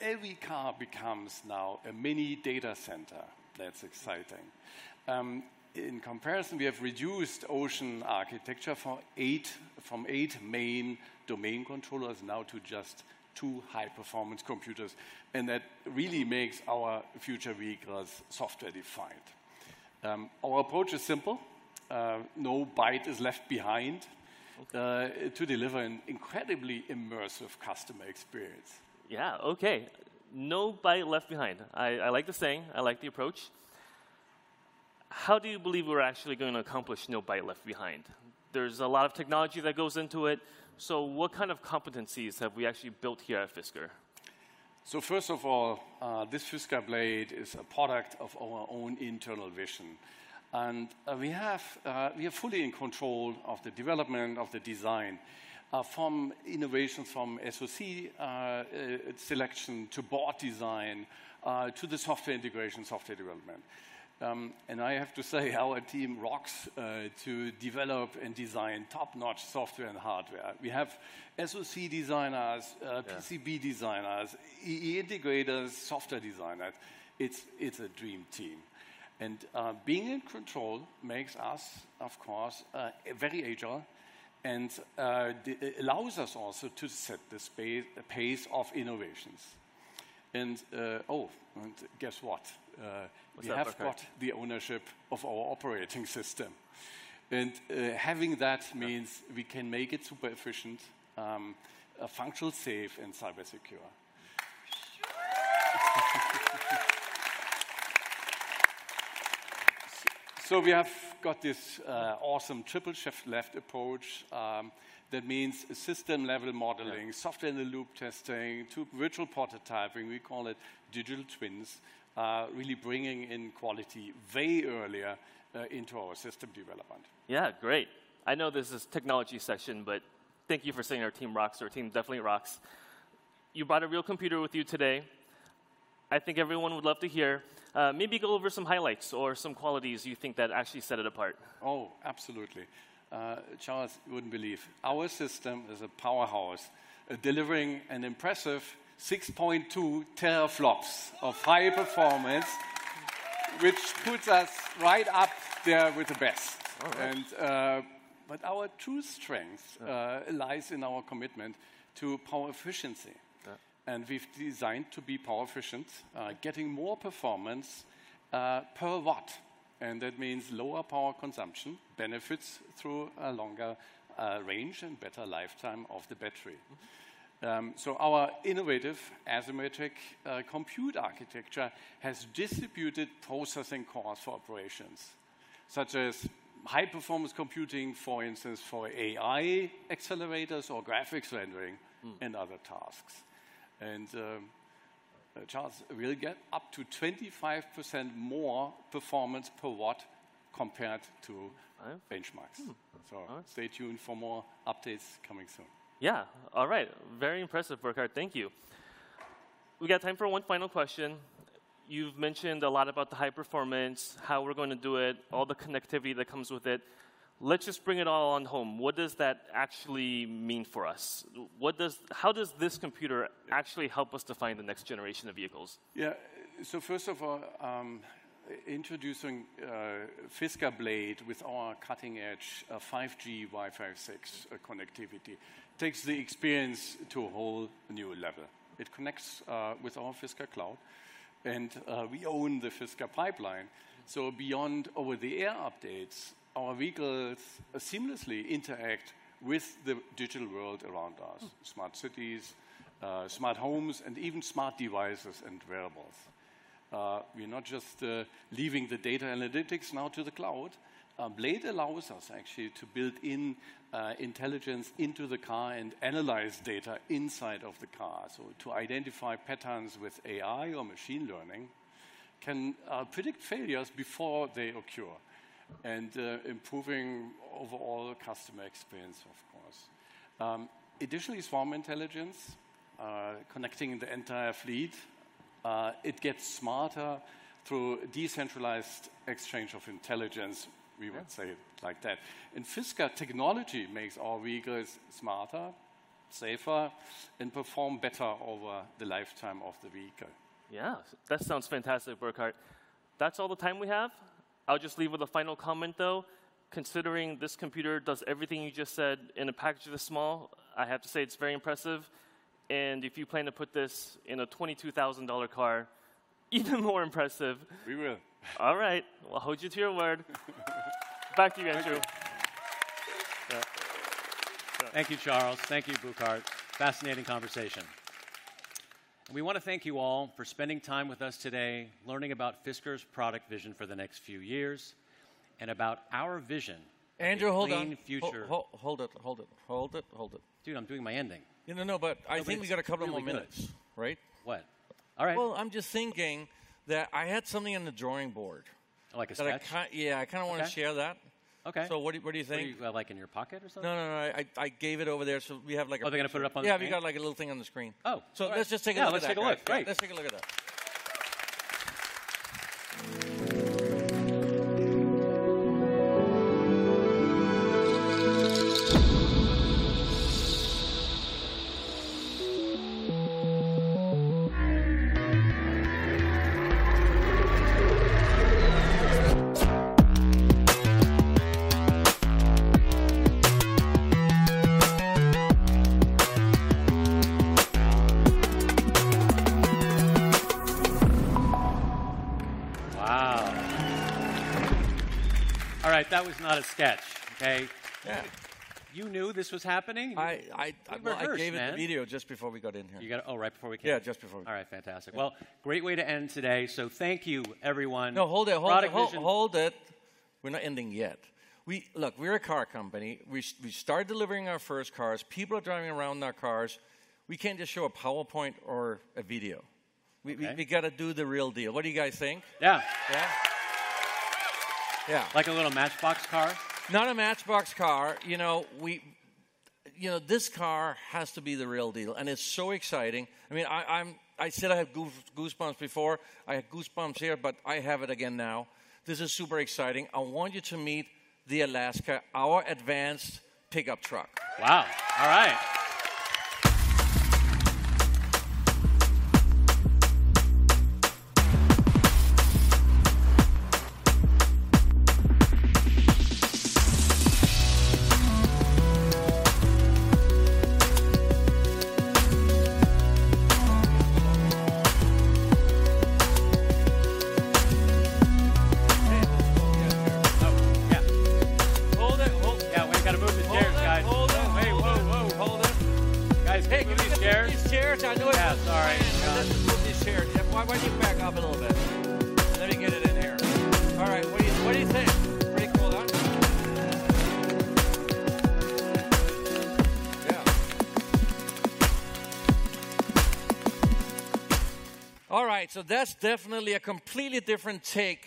every car becomes now a mini data center. That's exciting. In comparison, we have reduced Ocean architecture from eight main domain controllers now to just two high-performance computers, and that really makes our future vehicles software-defined. Our approach is simple: no byte is left behind- Okay.... to deliver an incredibly immersive customer experience. Yeah, okay. No byte left behind. I, I like the saying, I like the approach. How do you believe we're actually gonna accomplish no byte left behind? There's a lot of technology that goes into it, so what kind of competencies have we actually built here at Fisker? First of all, this Fisker Blade is a product of our own internal vision, and we are fully in control of the development, of the design, from innovations from SoC selection, to board design, to the software integration, software development. I have to say, our team rocks to develop and design top-notch software and hardware. We have SoC designers. Yeah.... PCB designers, EE integrators, software designers. It's, it's a dream team. Being in control makes us, of course, very agile and, it, it allows us also to set the pace of innovations. Oh, and guess what?... What's that? Okay. We have got the ownership of our operating system, and, having that means- Yeah.... we can make it super efficient, functional, safe, and cyber secure. We have got this awesome triple shift left approach, that means system-level modeling- Yeah.... software-in-the-loop testing to virtual prototyping, we call it digital twins, really bringing in quality way earlier, into our system development. Yeah, great. I know this is a technology session, but thank you for saying our team rocks. Our team definitely rocks. You brought a real computer with you today. I think everyone would love to hear, maybe go over some highlights or some qualities you think that actually set it apart. Oh, absolutely. Charles, you wouldn't believe, our system is a powerhouse, delivering an impressive 6.2 teraflops of high performance, which puts us right up there with the best. All right. But our true strength lies in our commitment to power efficiency. Yeah. We've designed to be power efficient. Right.... getting more performance, per watt, and that means lower power consumption, benefits through a longer, range and better lifetime of the battery. Mm. Our innovative asymmetric compute architecture has distributed processing cores for operations, such as high-performance computing, for instance, for AI accelerators or graphics rendering. Mm.... and other tasks. Charles, we'll get up to 25% more performance per watt compared to- Wow.... benchmarks. Hmm. All right. Stay tuned for more updates coming soon. Yeah. All right. Very impressive, Burkhard. Thank you. We got time for one final question. You've mentioned a lot about the high performance, how we're gonna do it, all the connectivity that comes with it. Let's just bring it all on home: what does that actually mean for us? How does this computer actually help us define the next generation of vehicles? Yeah. First of all, introducing Fisker Blade with our cutting-edge 5G Wi-Fi 6 connectivity, takes the experience to a whole new level. It connects with our Fisker Cloud, and we own the Fisker pipeline. Beyond over-the-air updates, our vehicles seamlessly interact with the digital world around us. Mm.... smart cities, smart homes, and even smart devices and wearables. ...we're not just leaving the data analytics now to the cloud. Blade allows us actually to build in intelligence into the car and analyze data inside of the car. To identify patterns with AI or machine learning, can predict failures before they occur, and improving overall customer experience, of course. Additionally, swarm intelligence, connecting the entire fleet, it gets smarter through decentralized exchange of intelligence, we would say- Yeah.... it like that. Fisker technology makes our vehicles smarter, safer, and perform better over the lifetime of the vehicle. Yeah, that sounds fantastic, Burkhard. That's all the time we have. I'll just leave with a final comment, though. Considering this computer does everything you just said in a package this small, I have to say it's very impressive, and if you plan to put this in a $22,000 car, even more impressive. We will. All right, I'll hold you to your word. Back to you, Andrew. Thank you. Thank you, Charles. Thank you, Burkhard. Fascinating conversation. We wanna thank you all for spending time with us today, learning about Fisker's Product Vision for the next few years, and about our vision- Andrew, hold on.... a clean future. Hold it, hold it, hold it, hold it. Dude, I'm doing my ending. Yeah, no, no, but I think we got a couple more minutes, right? What? All right. Well, I'm just thinking that I had something on the drawing board. Like a sketch? That I yeah, I kinda wanna share that. Okay. What do you, what do you think? What, you've got like in your pocket or something? No, no, no. I, I gave it over there, so we have like a- Oh, they're gonna put it up on the screen? Yeah, we got like a little thing on the screen. Oh! Let's just take a look at that. Yeah, let's take a look. Great. Let's take a look at that. Wow! All right, that was not a sketch, okay? Yeah. You knew this was happening? I, I, I- You rehearsed, man. I gave him the video just before we got in here. You got it... Oh, right before we came? Yeah, just before. All right, fantastic. Yeah. Well, great way to end today, so thank you, everyone. No, hold it, hold it. Product Vision. Hold, hold it. We're not ending yet. Look, we're a car company. We've started delivering our first cars. People are driving around in our cars. We can't just show a PowerPoint or a video. Okay. We, we, we gotta do the real deal. What do you guys think? Yeah. Yeah. Yeah. Like a little Matchbox car? Not a Matchbox car. You know, this car has to be the real deal, and it's so exciting. I mean, I said I have goosebumps before. I had goosebumps here, but I have it again now. This is super exciting. I want you to meet the Alaska, our advanced pickup truck. Wow! All right. Oh, yeah. Hold it, hold. Yeah, we've gotta move the chairs, guys. Hold it, hold it. Hey, whoa, whoa! Hold it. Guys, can you move these chairs? Can you move these chairs? I know. Yeah, sorry. Move these chairs. Why don't you back up a little bit? Let me get it in here. All right, what do you, what do you think? Pretty cool, huh? Yeah. All right, that's definitely a completely different take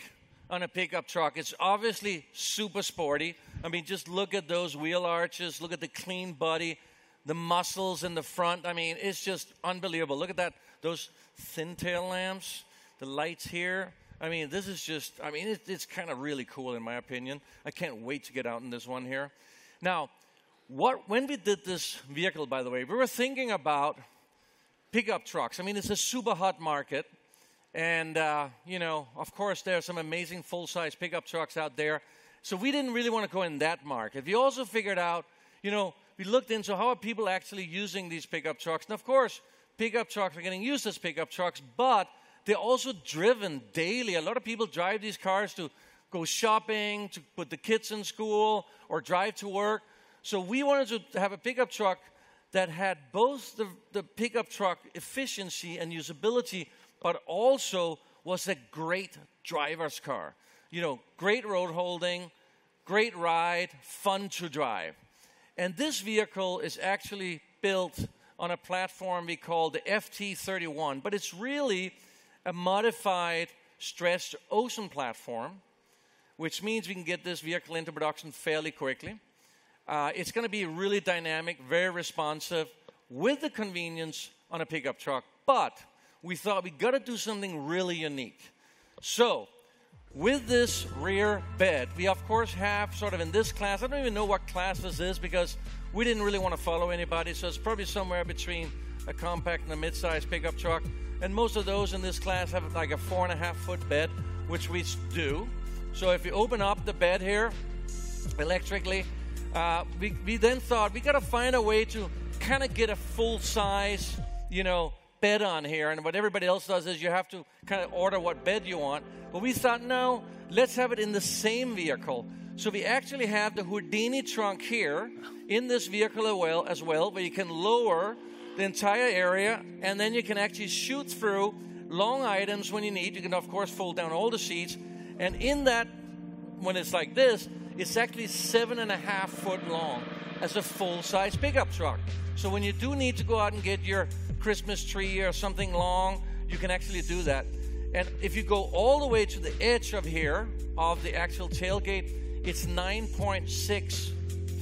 on a pickup truck. It's obviously super sporty. I mean, just look at those wheel arches, look at the clean body, the muscles in the front. I mean, it's just unbelievable. Look at that, those thin tail lamps, the lights here. I mean, this is just... I mean, it, it's kinda really cool, in my opinion. I can't wait to get out in this one here. Now, when we did this vehicle, by the way, we were thinking about pickup trucks. I mean, it's a super hot market, and, you know, of course, there are some amazing full-size pickup trucks out there, so we didn't really wanna go in that market. We also figured out, you know, we looked into how are people actually using these pickup trucks, and of course, pickup trucks are getting used as pickup trucks, but they're also driven daily. A lot of people drive these cars to go shopping, to put the kids in school, or drive to work. We wanted to have a pickup truck that had both the, the pickup truck efficiency and usability, but also was a great driver's car. You know, great road holding, great ride, fun to drive. This vehicle is actually built on a platform we call the FT-31, but it's really a modified, stretched Ocean platform, which means we can get this vehicle into production fairly quickly. It's gonna be really dynamic, very responsive, with the convenience on a pickup truck, but we thought we've gotta do something really unique. With this rear bed, we of course, have sort of in this class. I don't even know what class this is, because we didn't really wanna follow anybody, so it's probably somewhere between a compact and a mid-size pickup truck. Most of those in this class have, like, a four-and-a-half foot bed, which we do. If you open up the bed here, electrically, we then thought, we gotta find a way to kinda get a full size, you know, bed on here. What everybody else does is you have to kinda order what bed you want. We thought, "No, let's have it in the same vehicle." We actually have the Houdini trunk here in this vehicle as well, where you can lower the entire area, and then you can actually shoot through long items when you need. You can, of course, fold down all the seats, when it's like this, it's actually 7.5 foot long. That's a full-size pickup truck. When you do need to go out and get your Christmas tree or something long, you can actually do that. If you go all the way to the edge of here, of the actual tailgate, it's 9.6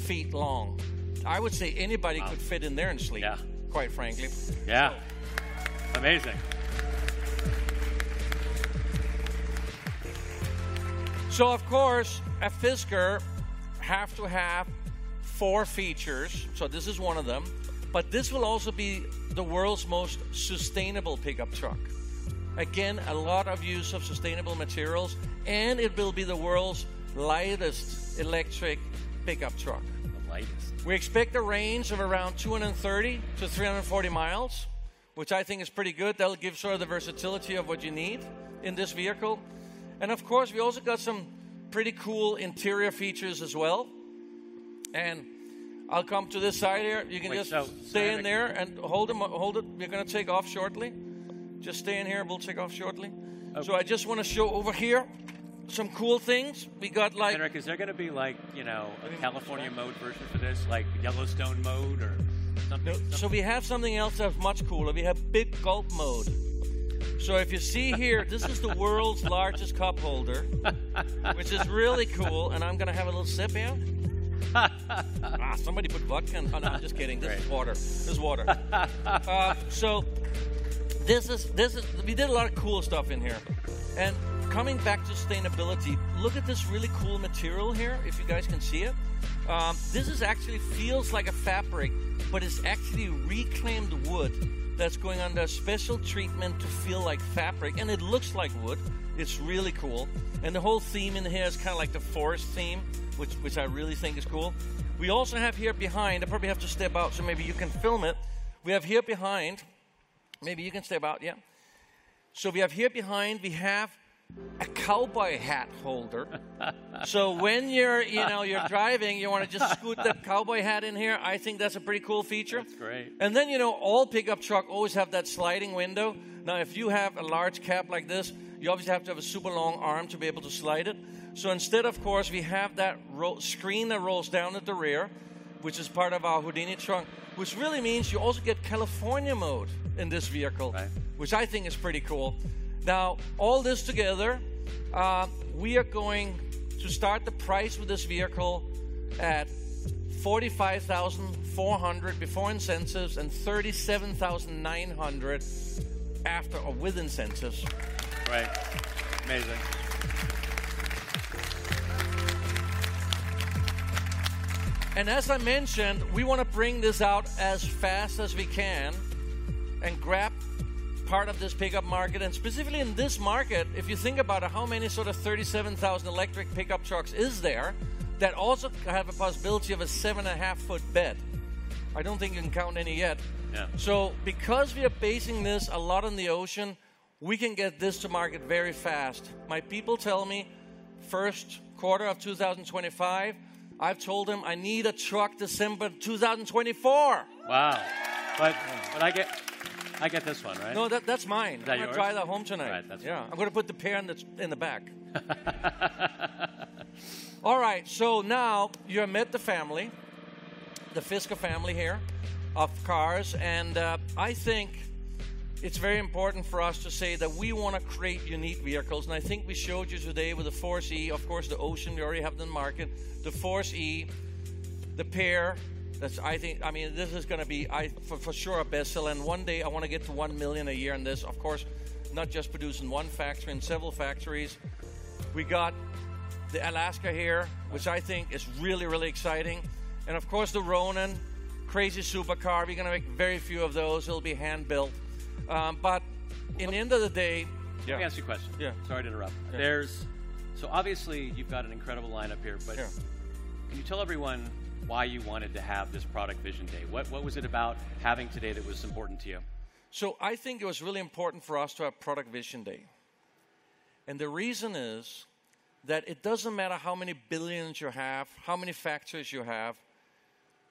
feet long. I would say anybody- Wow. could fit in there and sleep Yeah. -quite frankly. Yeah. Amazing. Of course, a Fisker have to have four features, so this is one of them. This will also be the world's most sustainable pickup truck. Again, a lot of use of sustainable materials, and it will be the world's lightest electric pickup truck. The lightest. We expect a range of around 230-340 miles, which I think is pretty good. That'll give sort of the versatility of what you need in this vehicle. Of course, we also got some pretty cool interior features as well. I'll come to this side here. Wait. You can just stay in there and hold them, hold it. We're gonna take off shortly. Just stay in here, and we'll take off shortly. Okay. I just wanna show over here some cool things. We got. Henrik, is there gonna be like, you know, a California mode version for this, like Yellowstone mode or something? We have something else that's much cooler. We have Big Gulp mode. If you see here, this is the world's largest cup holder, which is really cool, and I'm gonna have a little sip here. Ah, somebody put vodka in. Oh, no, just kidding. Great. This is water. This is water. We did a lot of cool stuff in here. Coming back to sustainability, look at this really cool material here, if you guys can see it. This is actually feels like a fabric, but it's actually reclaimed wood that's going under a special treatment to feel like fabric, and it looks like wood. It's really cool. The whole theme in here is kinda like the forest theme, which, which I really think is cool. We also have here behind. I probably have to step out, so maybe you can film it. Maybe you can step out, yeah. We have here behind, we have a cowboy hat holder. When you're, you know, you're driving, you wanna just scoot that cowboy hat in here. I think that's a pretty cool feature. That's great. Then, you know, all pickup truck always have that sliding window. Now, if you have a large cap like this, you obviously have to have a super long arm to be able to slide it. Instead, of course, we have that ro- screen that rolls down at the rear, which is part of our Houdini trunk, which really means you also get California mode in this vehicle. Right.... which I think is pretty cool. All this together, we are going to start the price for this vehicle at $45,400 before incentives and $37,900 after or with incentives. Right. Amazing. As I mentioned, we wanna bring this out as fast as we can and grab part of this pickup market. Specifically in this market, if you think about it, how many sort of 37,000 electric pickup trucks is there that also have a possibility of a 7.5 foot bed? I don't think you can count any yet. Yeah. Because we are basing this a lot on the Ocean, we can get this to market very fast. My people tell me first quarter of 2025. I've told them I need a truck December 2024! Wow. But I get, I get this one, right? No, that, that's mine. Is that yours? I'm gonna drive that home tonight. Right, that's right. Yeah. I'm gonna put the PEAR in the, in the back. All right, so now you have met the family, the Fisker family here, of cars. I think it's very important for us to say that we wanna create unique vehicles, and I think we showed you today with the Force E, of course, the Ocean, we already have in the market, the Force E, the PEAR. That's I think... I mean, this is gonna be, I, for sure, a bestseller. One day, I wanna get to one million a year on this. Of course, not just produced in one factory, in several factories. We got the Alaska here- Right.... which I think is really, really exciting. Of course, the Ronin, crazy supercar. We're gonna make very few of those. It'll be hand-built. In the end of the day- Let me ask you a question. Yeah. Sorry to interrupt. Yeah. Obviously, you've got an incredible lineup here, but... Yeah.... can you tell everyone why you wanted to have this Product Vision Day? What, what was it about having today that was important to you? I think it was really important for us to have Product Vision Day. The reason is that it doesn't matter how many billions you have, how many factories you have,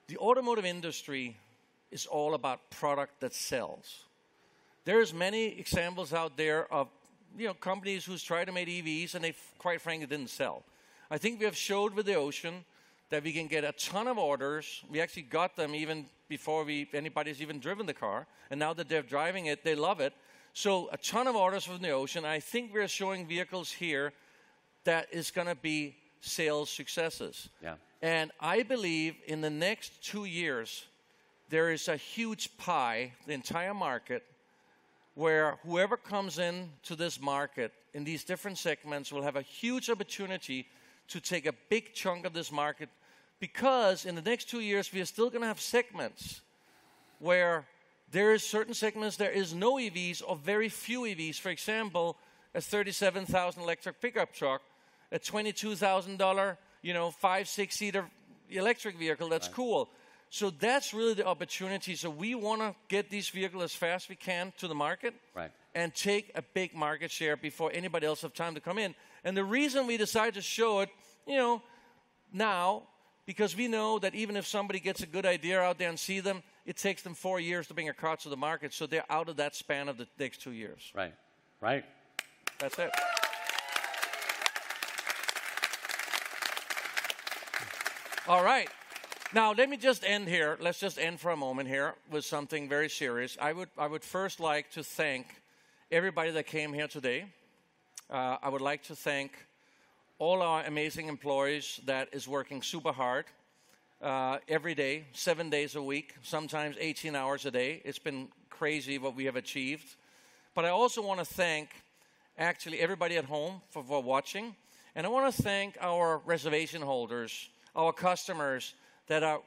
the automotive industry is all about product that sells. There is many examples out there of, you know, companies who's tried to make EVs, and they, quite frankly, didn't sell. I think we have showed with the Ocean that we can get a ton of orders. We actually got them even before anybody's even driven the car, and now that they're driving it, they love it. A ton of orders from the Ocean, I think we're showing vehicles here that is gonna be sales successes. Yeah. I believe in the next two years, there is a huge pie, the entire market, where whoever comes in to this market, in these different segments, will have a huge opportunity to take a big chunk of this market. Because in the next two years, we are still gonna have segments where there are certain segments there is no EVs or very few EVs, for example, a $37,000 electric pickup truck, a $22,000, you know, five, six-seater electric vehicle. Right. ...that's cool. That's really the opportunity. We wanna get this vehicle as fast as we can to the market- Right.... and take a big market share before anybody else have time to come in. The reason we decided to show it, you know, now, because we know that even if somebody gets a good idea out there and see them, it takes them four years to bring a car to the market, so they're out of that span of the next two years. Right. Right. That's it. All right. Now, let me just end here. Let's just end for a moment here with something very serious. I would first like to thank everybody that came here today. I would like to thank all our amazing employees that is working super hard every day, seven days a week, sometimes 18 hours a day. It's been crazy what we have achieved. I also wanna thank, actually, everybody at home for, for watching, and I wanna thank our reservation holders, our customers that are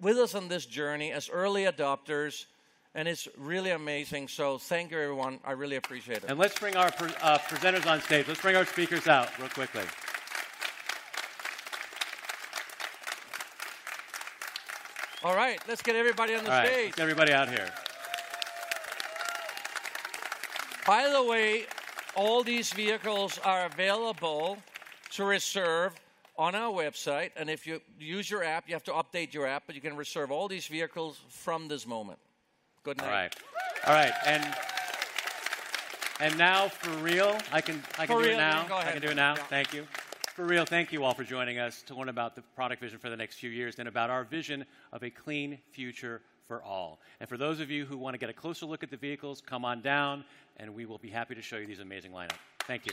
with us on this journey as early adopters, and it's really amazing. Thank you, everyone. I really appreciate it. Let's bring our presenters on stage. Let's bring our speakers out real quickly. All right, let's get everybody on the stage. All right, get everybody out here. By the way, all these vehicles are available to reserve on our website, and if you use your app, you have to update your app, but you can reserve all these vehicles from this moment. Good night. All right. All right, and, and now, for real, I can, I can do it now? For real. You can go ahead. I can do it now. Thank you. For real, thank you all for joining us to learn about the Product Vision for the next few years and about our vision of a clean future for all. For those of you who wanna get a closer look at the vehicles, come on down, and we will be happy to show you these amazing lineup. Thank you.